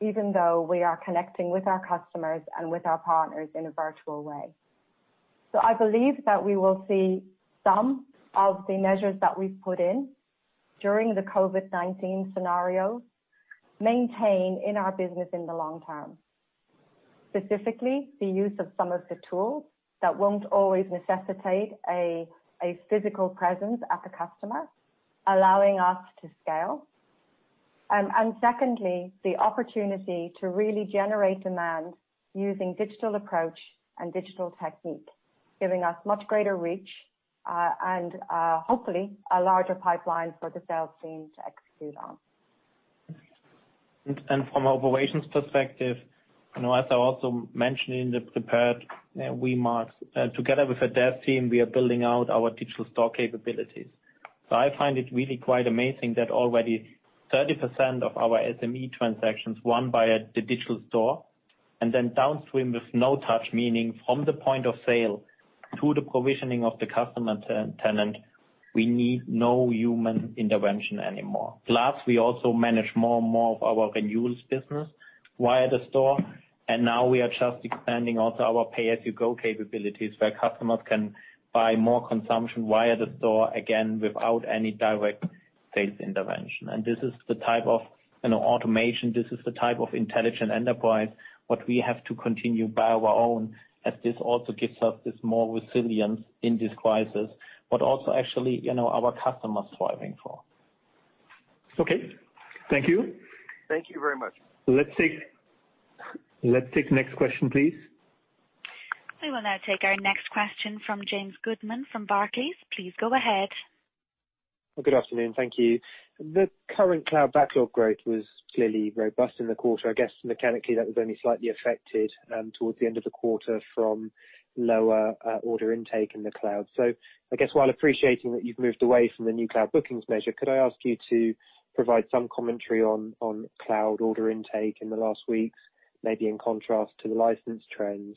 [SPEAKER 7] even though we are connecting with our customers and with our partners in a virtual way. I believe that we will see some of the measures that we've put in during the COVID-19 scenario maintained in our business in the long term. Specifically, the use of some of the tools that won't always necessitate a physical presence at the customer, allowing us to scale. Secondly, the opportunity to really generate demand using digital approach and digital technique, giving us much greater reach, and hopefully, a larger pipeline for the sales team to execute on.
[SPEAKER 3] From an operations perspective, as I also mentioned in the prepared remarks, together with Adaire's team, we are building out our digital store capabilities. I find it really quite amazing that already 30% of our SME transactions won via the digital store, and then downstream with no touch, meaning from the point of sale to the provisioning of the customer tenant, we need no human intervention anymore. We also manage more and more of our renewals business via the store, and now we are just expanding also our pay-as-you-go capabilities, where customers can buy more consumption via the store, again, without any direct sales intervention. This is the type of automation, this is the type of intelligent enterprise, what we have to continue by our own, as this also gives us this more resilience in this crisis, but also actually our customers thriving for.
[SPEAKER 2] Okay. Thank you.
[SPEAKER 9] Thank you very much.
[SPEAKER 2] Let's take next question, please.
[SPEAKER 1] We will now take our next question from James Goodman from Barclays. Please go ahead.
[SPEAKER 10] Good afternoon. Thank you. The current cloud backlog growth was clearly robust in the quarter. I guess mechanically that was only slightly affected towards the end of the quarter from lower order intake in the cloud. I guess while appreciating that you've moved away from the new cloud bookings measure, could I ask you to provide some commentary on cloud order intake in the last weeks, maybe in contrast to the license trends?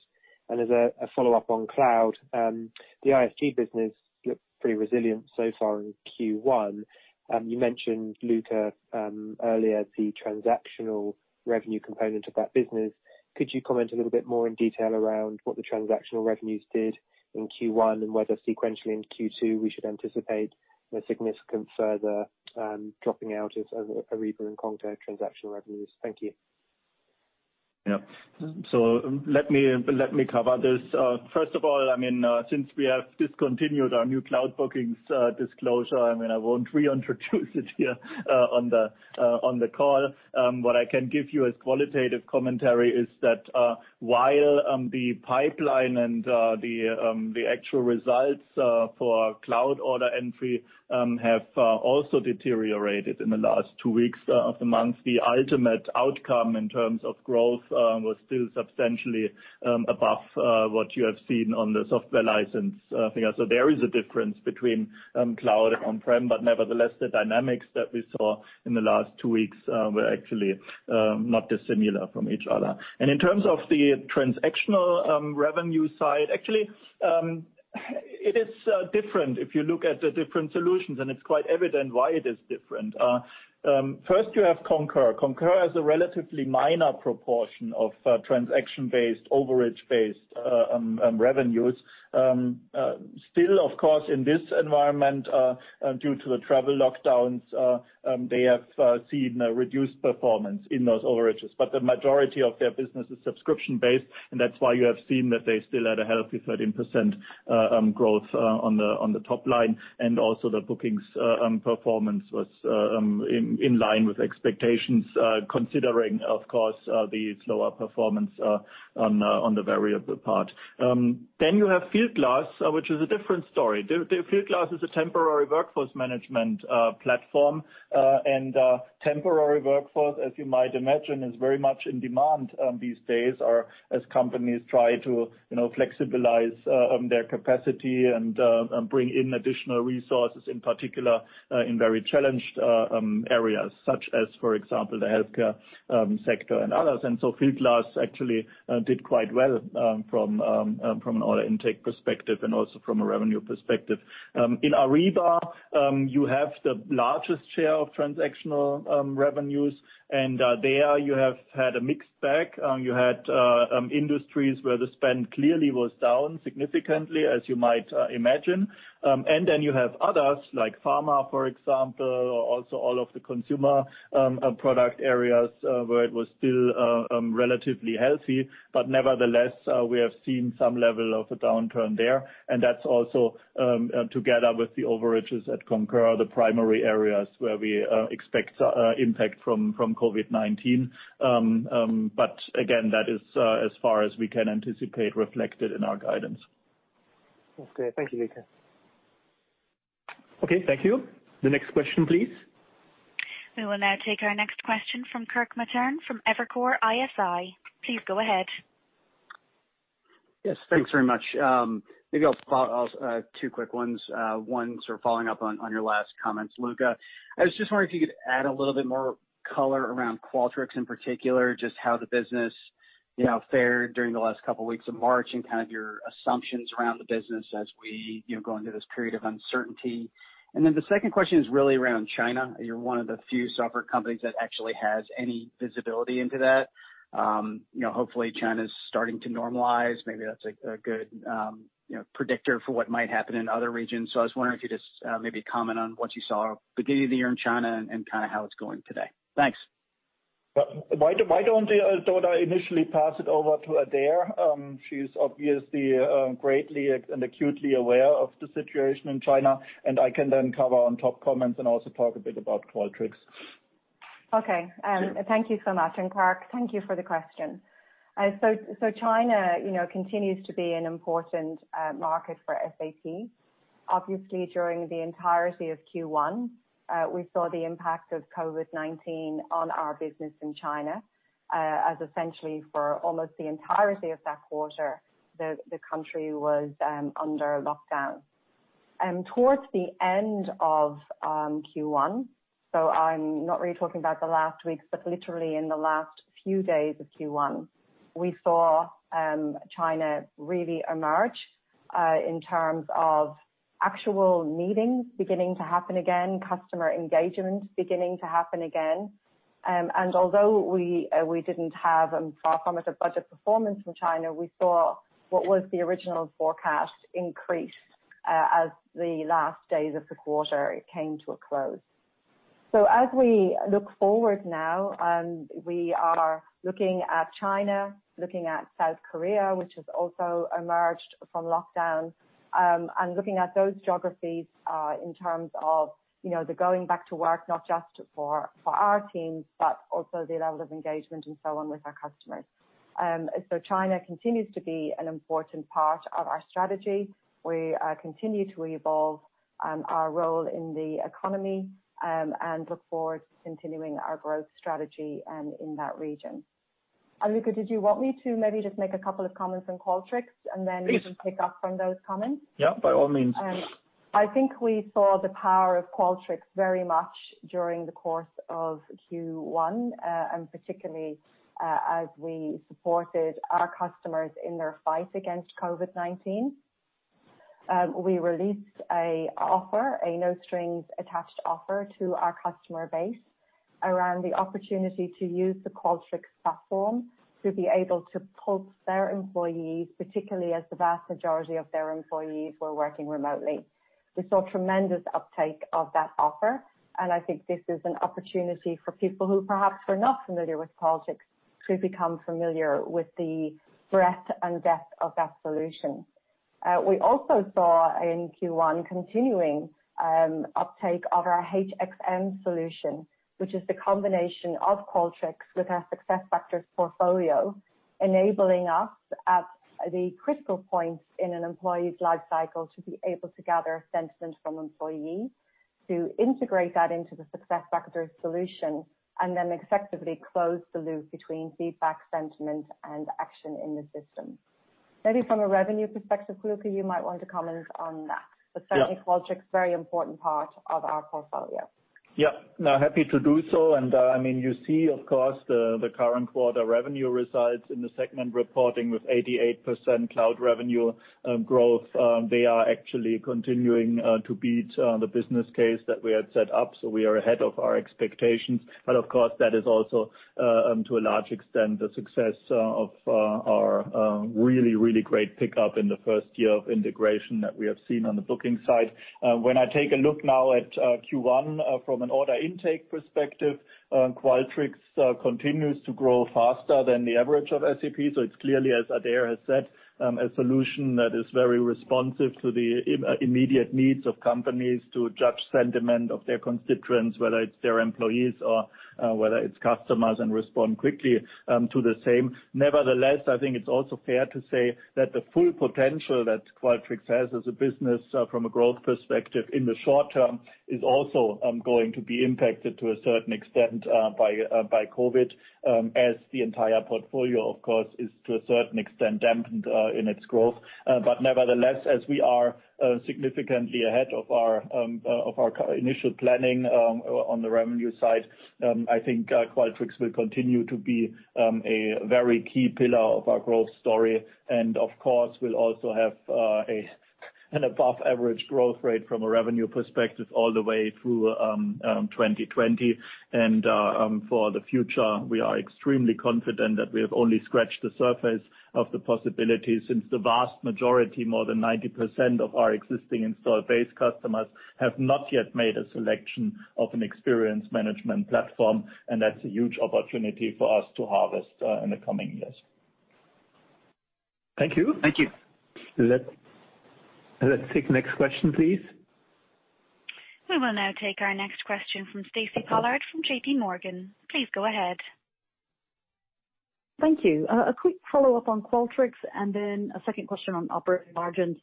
[SPEAKER 10] As a follow-up on cloud, the ISG business looked pretty resilient so far in Q1. You mentioned, Luka, earlier the transactional revenue component of that business. Could you comment a little bit more in detail around what the transactional revenues did in Q1, and whether sequentially in Q2 we should anticipate a significant further dropping out of Ariba and Concur transactional revenues? Thank you.
[SPEAKER 4] Let me cover this. First of all, since we have discontinued our new cloud bookings disclosure, I won't reintroduce it here on the call. What I can give you as qualitative commentary is that, while the pipeline and the actual results for cloud order entry have also deteriorated in the last two weeks of the month, the ultimate outcome in terms of growth was still substantially above what you have seen on the software license figure. There is a difference between cloud and on-prem, but nevertheless, the dynamics that we saw in the last two weeks were actually not dissimilar from each other. In terms of the transactional revenue side, actually, it is different if you look at the different solutions, and it's quite evident why it is different. First, you have Concur. Concur has a relatively minor proportion of transaction-based, overage-based revenues. Of course, in this environment, due to the travel lockdowns, they have seen a reduced performance in those overages. The majority of their business is subscription-based, and that's why you have seen that they still had a healthy 13% growth on the top line. Also the bookings performance was in line with expectations, considering, of course, the slower performance on the variable part. You have SAP Fieldglass, which is a different story. SAP Fieldglass is a temporary workforce management platform, and temporary workforce, as you might imagine, is very much in demand these days as companies try to flexibilize their capacity and bring in additional resources, in particular in very challenged areas, such as, for example, the healthcare sector and others. SAP Fieldglass actually did quite well from an order intake perspective and also from a revenue perspective. In Ariba, you have the largest share of transactional revenues, and there you have had a mixed bag. You had industries where the spend clearly was down significantly, as you might imagine. Then you have others like pharma, for example, also all of the consumer product areas, where it was still relatively healthy. Nevertheless, we have seen some level of a downturn there, and that's also together with the overages at Concur, the primary areas where we expect impact from COVID-19. Again, that is as far as we can anticipate reflected in our guidance.
[SPEAKER 10] That's clear. Thank you, Luka.
[SPEAKER 2] Okay. Thank you. The next question, please.
[SPEAKER 1] We will now take our next question from Kirk Materne from Evercore ISI. Please go ahead.
[SPEAKER 11] Yes. Thanks very much. Maybe I'll spot two quick ones. One, sort of following up on your last comments, Luka. I was just wondering if you could add a little bit more color around Qualtrics in particular, just how the business fared during the last couple weeks of March and kind of your assumptions around the business as we go into this period of uncertainty. The second question is really around China. You're one of the few software companies that actually has any visibility into that. Hopefully China's starting to normalize. Maybe that's a good predictor for what might happen in other regions. I was wondering if you'd just maybe comment on what you saw beginning of the year in China and kind of how it's going today. Thanks.
[SPEAKER 4] Why don't I initially pass it over to Adaire? She's obviously greatly and acutely aware of the situation in China, and I can then cover on top comments and also talk a bit about Qualtrics.
[SPEAKER 7] Okay. Thank you so much. Kirk, thank you for the question. China continues to be an important market for SAP. Obviously, during the entirety of Q1, we saw the impact of COVID-19 on our business in China, as essentially for almost the entirety of that quarter, the country was under lockdown. Towards the end of Q1, so I'm not really talking about the last weeks, but literally in the last few days of Q1, we saw China really emerge in terms of actual meetings beginning to happen again, customer engagement beginning to happen again. Although we didn't have a far committal budget performance from China, we saw what was the original forecast increase as the last days of the quarter came to a close. As we look forward now, we are looking at China, looking at South Korea, which has also emerged from lockdown, and looking at those geographies in terms of the going back to work, not just for our teams, but also the level of engagement and so on with our customers. China continues to be an important part of our strategy. We continue to evolve our role in the economy, and look forward to continuing our growth strategy in that region. Luka, did you want me to maybe just make a couple of comments on Qualtrics?
[SPEAKER 4] Please.
[SPEAKER 7] You can pick up from those comments?
[SPEAKER 4] Yeah, by all means.
[SPEAKER 7] I think we saw the power of Qualtrics very much during the course of Q1, particularly as we supported our customers in their fight against COVID-19. We released an offer, a no-strings-attached offer to our customer base around the opportunity to use the Qualtrics platform to be able to pulse their employees, particularly as the vast majority of their employees were working remotely. We saw tremendous uptake of that offer, and I think this is an opportunity for people who perhaps were not familiar with Qualtrics to become familiar with the breadth and depth of that solution. We also saw in Q1 continuing uptake of our HXM solution, which is the combination of Qualtrics with our SuccessFactors portfolio, enabling us at the critical points in an employee's life cycle to be able to gather sentiment from employees to integrate that into the SuccessFactors solution, and then effectively close the loop between feedback, sentiment, and action in the system. Maybe from a revenue perspective, Luka, you might want to comment on that.
[SPEAKER 4] Yeah.
[SPEAKER 7] Certainly Qualtrics, very important part of our portfolio.
[SPEAKER 4] Yeah. No, happy to do so. You see, of course, the current quarter revenue results in the segment reporting with 88% cloud revenue growth. They are actually continuing to beat the business case that we had set up, so we are ahead of our expectations. Of course, that is also, to a large extent, the success of our really, really great pickup in the first year of integration that we have seen on the booking side. When I take a look now at Q1 from an order intake perspective, Qualtrics continues to grow faster than the average of SAP. It's clearly, as Adaire has said, a solution that is very responsive to the immediate needs of companies to judge sentiment of their constituents, whether it's their employees or whether it's customers, and respond quickly to the same. I think it's also fair to say that the full potential that Qualtrics has as a business from a growth perspective in the short term is also going to be impacted to a certain extent by COVID-19, as the entire portfolio, of course, is to a certain extent dampened in its growth. Nevertheless, as we are significantly ahead of our initial planning on the revenue side, I think Qualtrics will continue to be a very key pillar of our growth story. Of course, we'll also have an above-average growth rate from a revenue perspective all the way through 2020. For the future, we are extremely confident that we have only scratched the surface of the possibilities, since the vast majority, more than 90% of our existing installed base customers, have not yet made a selection of an experience management platform. That's a huge opportunity for us to harvest in the coming years.
[SPEAKER 11] Thank you.
[SPEAKER 2] Thank you. Let's take the next question, please.
[SPEAKER 1] We will now take our next question from Stacy Pollard from JPMorgan. Please go ahead.
[SPEAKER 12] Thank you. A quick follow-up on Qualtrics, a second question on operating margins.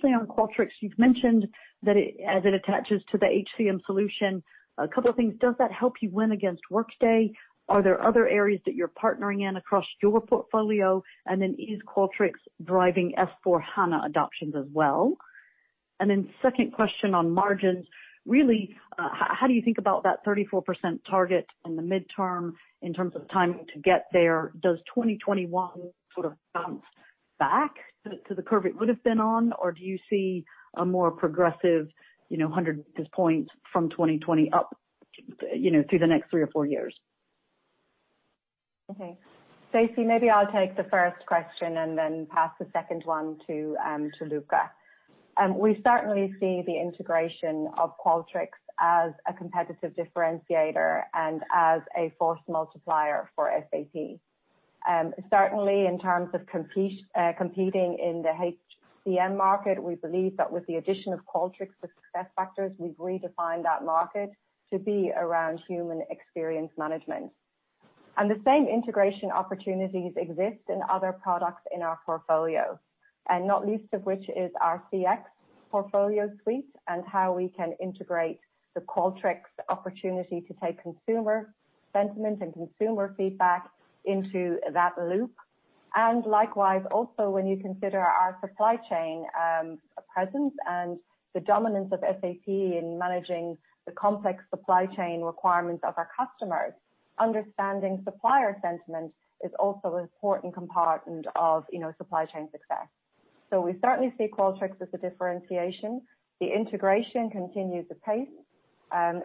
[SPEAKER 12] Say on Qualtrics, you've mentioned that as it attaches to the HCM solution, a couple of things. Does that help you win against Workday? Are there other areas that you're partnering in across your portfolio? Is Qualtrics driving S/4HANA adoptions as well? Second question on margins. Really, how do you think about that 34% target in the midterm in terms of timing to get there? Does 2021 sort of bounce back to the curve it would have been on, or do you see a more progressive 100 basis points from 2020 up through the next three or four years?
[SPEAKER 7] Okay. Stacy, maybe I'll take the first question and then pass the second one to Luka. We certainly see the integration of Qualtrics as a competitive differentiator and as a force multiplier for SAP. Certainly, in terms of competing in the HCM market, we believe that with the addition of Qualtrics to SuccessFactors, we've redefined that market to be around human experience management. The same integration opportunities exist in other products in our portfolio. Not least of which is our CX portfolio suite and how we can integrate the Qualtrics opportunity to take consumer sentiment and consumer feedback into that loop. Likewise, also, when you consider our supply chain presence and the dominance of SAP in managing the complex supply chain requirements of our customers, understanding supplier sentiment is also an important component of supply chain success. We certainly see Qualtrics as a differentiation. The integration continues apace.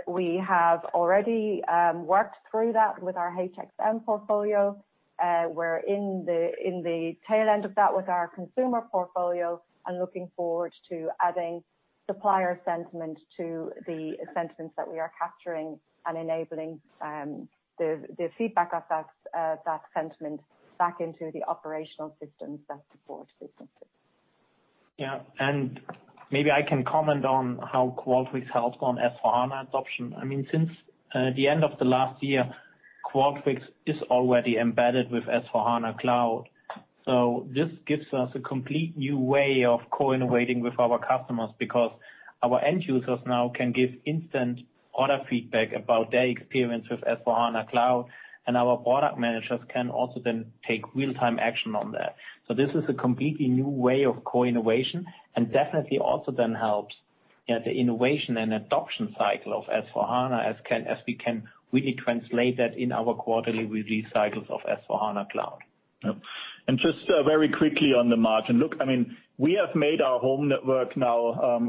[SPEAKER 7] We have already worked through that with our HXM portfolio. We're in the tail end of that with our consumer portfolio and looking forward to adding supplier sentiment to the sentiments that we are capturing and enabling the feedback of that sentiment back into the operational systems that support businesses.
[SPEAKER 3] Yeah. Maybe I can comment on how Qualtrics helps on S/4HANA adoption. Since the end of the last year, Qualtrics is already embedded with S/4HANA Cloud. This gives us a complete new way of co-innovating with our customers because our end users now can give instant order feedback about their experience with S/4HANA Cloud, and our product managers can also then take real-time action on that. This is a completely new way of co-innovation and definitely also then helps the innovation and adoption cycle of S/4HANA as we can really translate that in our quarterly release cycles of S/4HANA Cloud.
[SPEAKER 4] Yep. Just very quickly on the margin. Look, we have made our home network now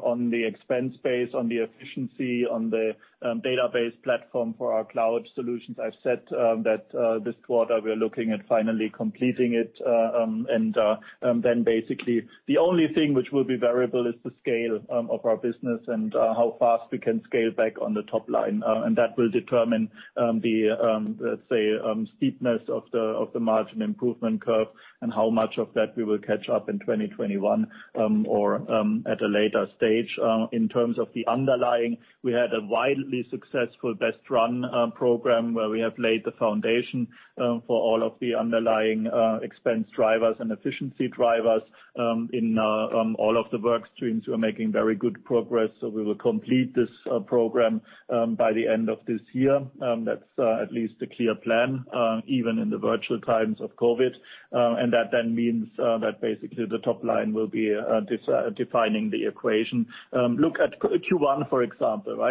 [SPEAKER 4] on the expense base, on the efficiency, on the database platform for our cloud solutions. I've said that this quarter we're looking at finally completing it. Basically the only thing which will be variable is the scale of our business and how fast we can scale back on the top line. That will determine the, let's say, steepness of the margin improvement curve and how much of that we will catch up in 2021 or at a later stage. In terms of the underlying, we had a widely successful Best Run program where we have laid the foundation for all of the underlying expense drivers and efficiency drivers in all of the work streams. We're making very good progress, so we will complete this program by the end of this year. That's at least a clear plan, even in the virtual times of COVID. That then means that basically the top line will be defining the equation. Look at Q1, for example.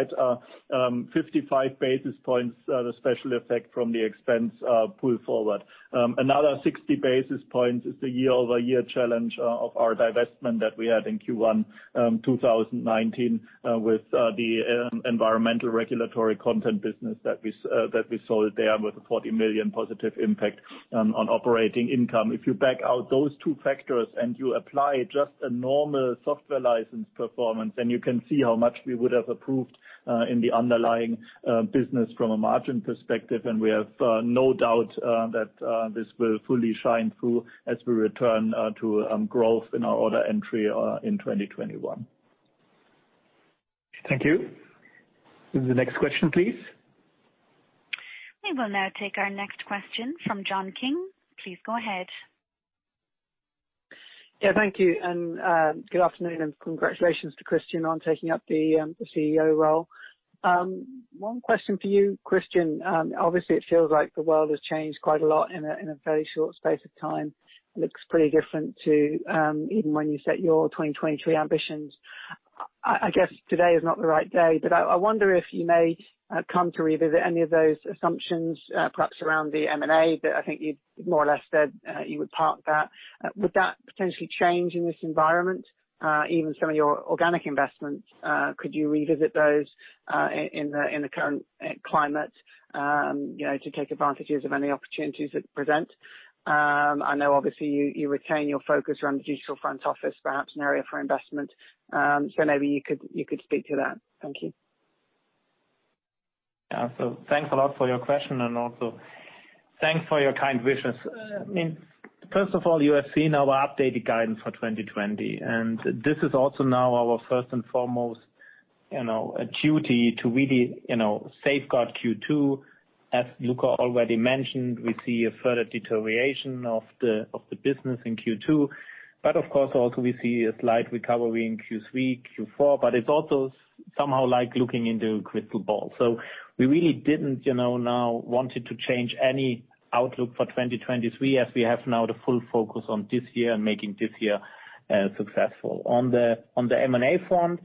[SPEAKER 4] 55 basis points, the special effect from the expense pull forward. Another 60 basis points is the year-over-year challenge of our divestment that we had in Q1 2019 with the environmental regulatory content business that we sold there with a 40 million positive impact on operating income. If you back out those two factors and you apply just a normal software license performance, then you can see how much we would have improved in the underlying business from a margin perspective. We have no doubt that this will fully shine through as we return to growth in our order entry in 2021.
[SPEAKER 2] Thank you. The next question, please.
[SPEAKER 1] We will now take our next question from John King. Please go ahead.
[SPEAKER 13] Yeah, thank you. Good afternoon, and congratulations to Christian on taking up the CEO role. One question for you, Christian. Obviously, it feels like the world has changed quite a lot in a very short space of time. Looks pretty different to even when you set your 2023 ambitions. I guess today is not the right day, I wonder if you may come to revisit any of those assumptions, perhaps around the M&A that I think you more or less said you would park that. Would that potentially change in this environment? Even some of your organic investments, could you revisit those in the current climate to take advantages of any opportunities that present? I know obviously you retain your focus around the digital front office, perhaps an area for investment. Maybe you could speak to that. Thank you.
[SPEAKER 3] Yeah. Thanks a lot for your question, and also thanks for your kind wishes. First of all, you have seen our updated guidance for 2020, and this is also now our first and foremost duty to really safeguard Q2. As Luka already mentioned, we see a further deterioration of the business in Q2. Of course, also we see a slight recovery in Q3, Q4, it's also somehow like looking into a crystal ball. We really didn't now want to change any outlook for 2023 as we have now the full focus on this year and making this year successful. On the M&A front,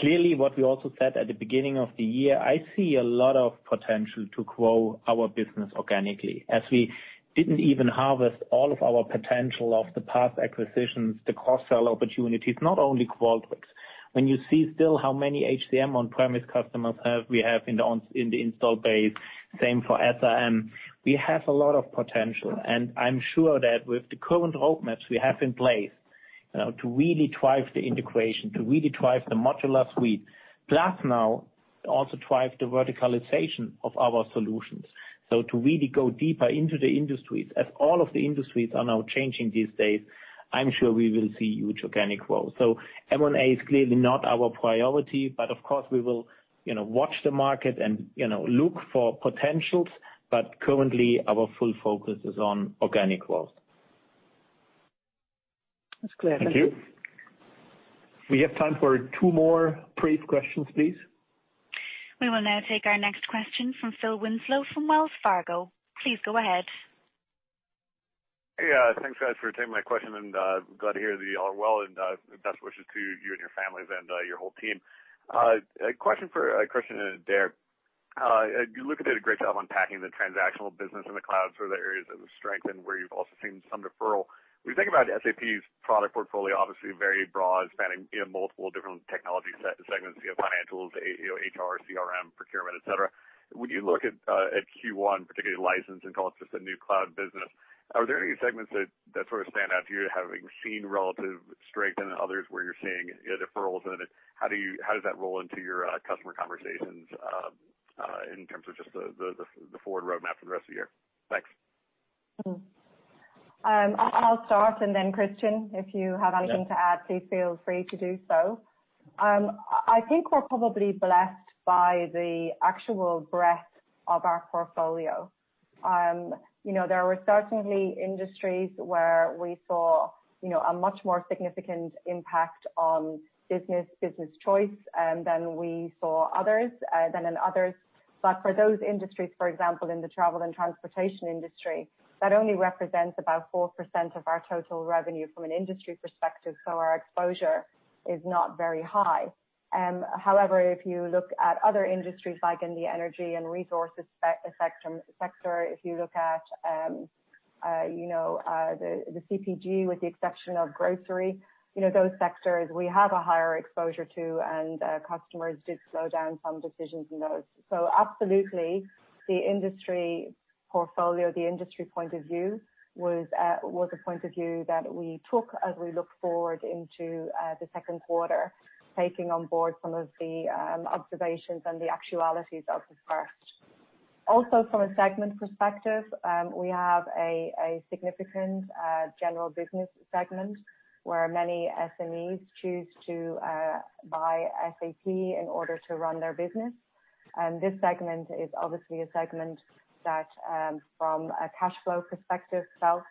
[SPEAKER 3] clearly what we also said at the beginning of the year, I see a lot of potential to grow our business organically. As we didn't even harvest all of our potential of the past acquisitions, the cross-sell opportunities, not only Qualtrics. When you see still how many HCM on-premise customers we have in the install base, same for SRM. We have a lot of potential. I'm sure that with the current roadmaps we have in place to really drive the integration, to really drive the modular suite, plus now also drive the verticalization of our solutions. To really go deeper into the industries as all of the industries are now changing these days, I'm sure we will see huge organic growth. M&A is clearly not our priority, but of course we will watch the market and look for potentials, but currently our full focus is on organic growth.
[SPEAKER 13] That's clear. Thank you.
[SPEAKER 2] Thank you. We have time for two more brief questions, please.
[SPEAKER 1] We will now take our next question from Phil Winslow from Wells Fargo. Please go ahead.
[SPEAKER 14] Hey. Thanks, guys, for taking my question, and glad to hear that you all are well, and best wishes to you and your families and your whole team. A question for Christian and Adaire. Luka did a great job unpacking the transactional business in the cloud, so there is strength and where you've also seen some deferral. When you think about SAP's product portfolio, obviously very broad, spanning multiple different technology segments. You have financials, HR, CRM, procurement, et cetera. When you look at Q1, particularly license and call it just a new cloud business, are there any segments that sort of stand out to you as having seen relative strength and others where you're seeing deferrals in it? How does that roll into your customer conversations in terms of just the forward roadmap for the rest of the year? Thanks.
[SPEAKER 7] I'll start, and then Christian, if you have anything to add, please feel free to do so. I think we're probably blessed by the actual breadth of our portfolio. There were certainly industries where we saw a much more significant impact on business choice than in others. For those industries, for example, in the travel and transportation industry, that only represents about 4% of our total revenue from an industry perspective. Our exposure is not very high. However, if you look at other industries like in the energy and resources sector, if you look at the CPG with the exception of grocery, those sectors we have a higher exposure to and customers did slow down some decisions in those. Absolutely the industry portfolio, the industry point of view was a point of view that we took as we look forward into the second quarter, taking on board some of the observations and the actualities of the first. From a segment perspective, we have a significant general business segment where many SMEs choose to buy SAP in order to run their business. This segment is obviously a segment that from a cash flow perspective felt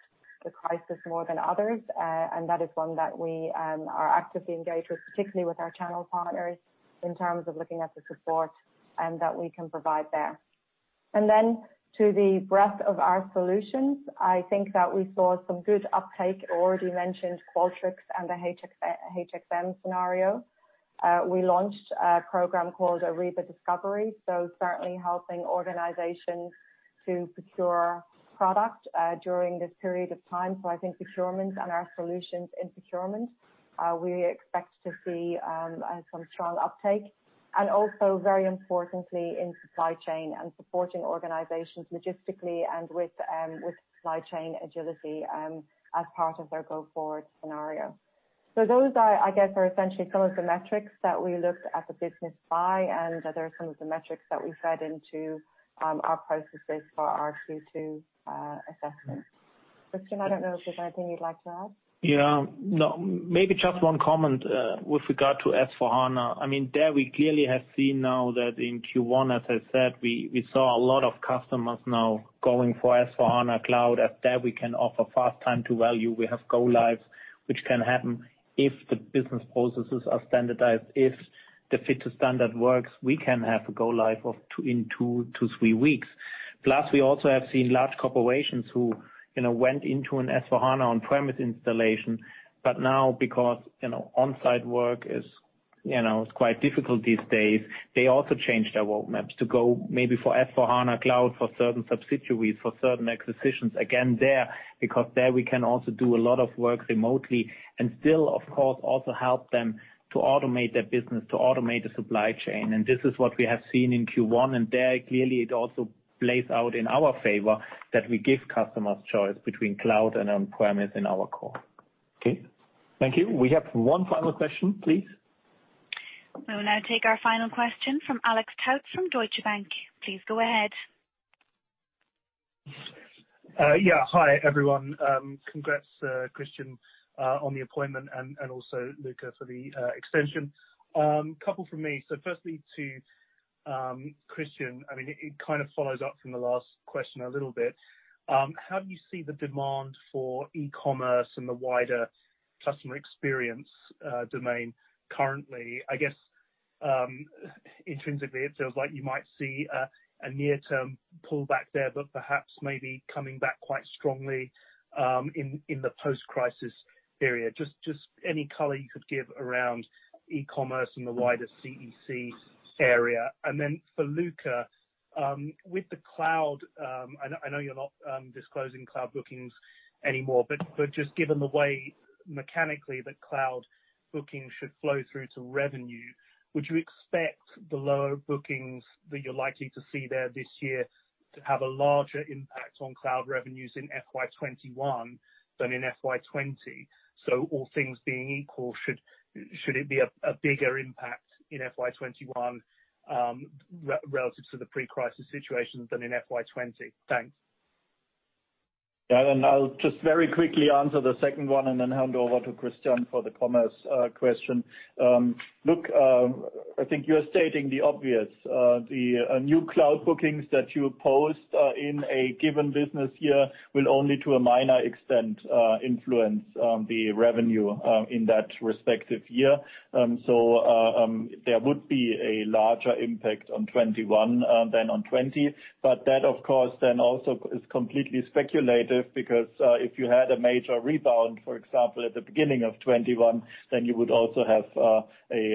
[SPEAKER 7] the crisis more than others. That is one that we are actively engaged with, particularly with our channel partners in terms of looking at the support that we can provide there. Then to the breadth of our solutions, I think that we saw some good uptake. I already mentioned Qualtrics and the HXM scenario. We launched a program called Ariba Discovery, certainly helping organizations to procure product during this period of time. I think procurement and our solutions in procurement, we expect to see some strong uptake. Also very importantly in supply chain and supporting organizations logistically and with supply chain agility as part of their go forward scenario. Those I guess are essentially some of the metrics that we looked at the business by, and they're some of the metrics that we fed into our processes for our Q2 assessment. Christian, I don't know if there's anything you'd like to add.
[SPEAKER 3] Maybe just one comment with regard to S/4HANA. We clearly have seen now that in Q1, as I said, we saw a lot of customers now going for S/4HANA Cloud. At that we can offer fast time to value. We have go lives, which can happen if the business processes are standardized. If the fit to standard works, we can have a go live in two to three weeks. We also have seen large corporations who went into an S/4HANA on-premise installation. Now because onsite work is quite difficult these days, they also changed their roadmaps to go maybe for S/4HANA Cloud for certain substitutes, for certain acquisitions. Again, there because there we can also do a lot of work remotely and still of course also help them to automate their business, to automate the supply chain. This is what we have seen in Q1, and there clearly it also plays out in our favor that we give customers choice between cloud and on-premise in our core.
[SPEAKER 2] Okay. Thank you. We have one final question, please.
[SPEAKER 1] We will now take our final question from Alex Tout from Deutsche Bank. Please go ahead.
[SPEAKER 15] Yeah. Hi, everyone. Congrats, Christian, on the appointment and also Luka for the extension. Couple from me. Firstly to Christian. It kind of follows up from the last question a little bit. How do you see the demand for e-commerce and the wider customer experience domain currently? I guess intrinsically it feels like you might see a near-term pullback there, but perhaps maybe coming back quite strongly in the post-crisis period. Just any color you could give around e-commerce and the wider CX area. For Luka, with the cloud, I know you're not disclosing cloud bookings anymore, but just given the way mechanically that cloud bookings should flow through to revenue, would you expect the lower bookings that you're likely to see there this year to have a larger impact on cloud revenues in FY 2021 than in FY 2020? All things being equal, should it be a bigger impact in FY 2021 relative to the pre-crisis situation than in FY 2020? Thanks.
[SPEAKER 4] I'll just very quickly answer the second one and then hand over to Christian for the commerce question. Look, I think you're stating the obvious. The new cloud bookings that you post in a given business year will only to a minor extent influence the revenue in that respective year. There would be a larger impact on 2021 than on 2020. That, of course, then also is completely speculative because if you had a major rebound, for example, at the beginning of 2021, then you would also have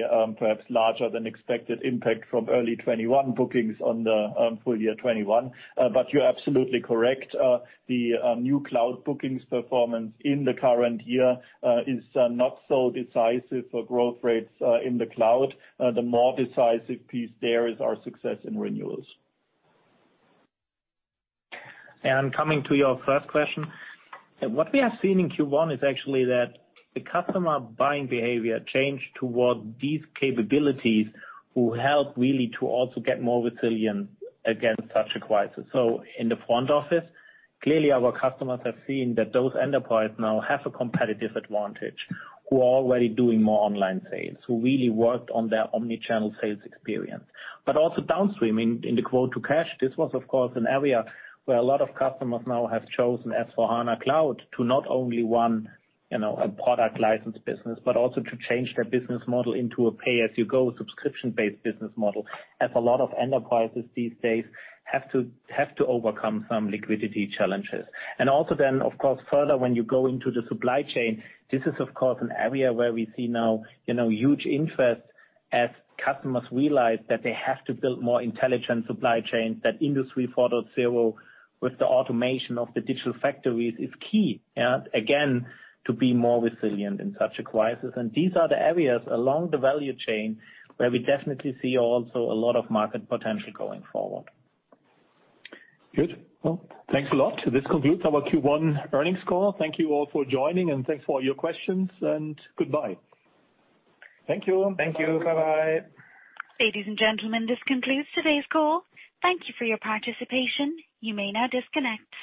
[SPEAKER 4] a perhaps larger than expected impact from early 2021 bookings on the full year 2021. You're absolutely correct. The new cloud bookings performance in the current year is not so decisive for growth rates in the cloud. The more decisive piece there is our success in renewals.
[SPEAKER 3] Coming to your first question, what we have seen in Q1 is actually that the customer buying behavior changed toward these capabilities will help really to also get more resilient against such a crisis. In the front office, clearly our customers have seen that those enterprise now have a competitive advantage who are already doing more online sales, who really worked on their omni-channel sales experience. Also downstream in the quote to cash, this was of course, an area where a lot of customers now have chosen S/4HANA Cloud to not only run a product license business, but also to change their business model into a pay-as-you-go subscription-based business model, as a lot of enterprises these days have to overcome some liquidity challenges. Also then of course, further, when you go into the supply chain, this is of course, an area where we see now huge interest as customers realize that they have to build more intelligent supply chains, that Industry 4.0 with the automation of the digital factories is key, again, to be more resilient in such a crisis. These are the areas along the value chain where we definitely see also a lot of market potential going forward.
[SPEAKER 2] Good. Well, thanks a lot. This concludes our Q1 earnings call. Thank you all for joining, and thanks for all your questions, and goodbye.
[SPEAKER 3] Thank you.
[SPEAKER 4] Thank you. Bye-bye.
[SPEAKER 1] Ladies and gentlemen, this concludes today's call. Thank you for your participation. You may now disconnect.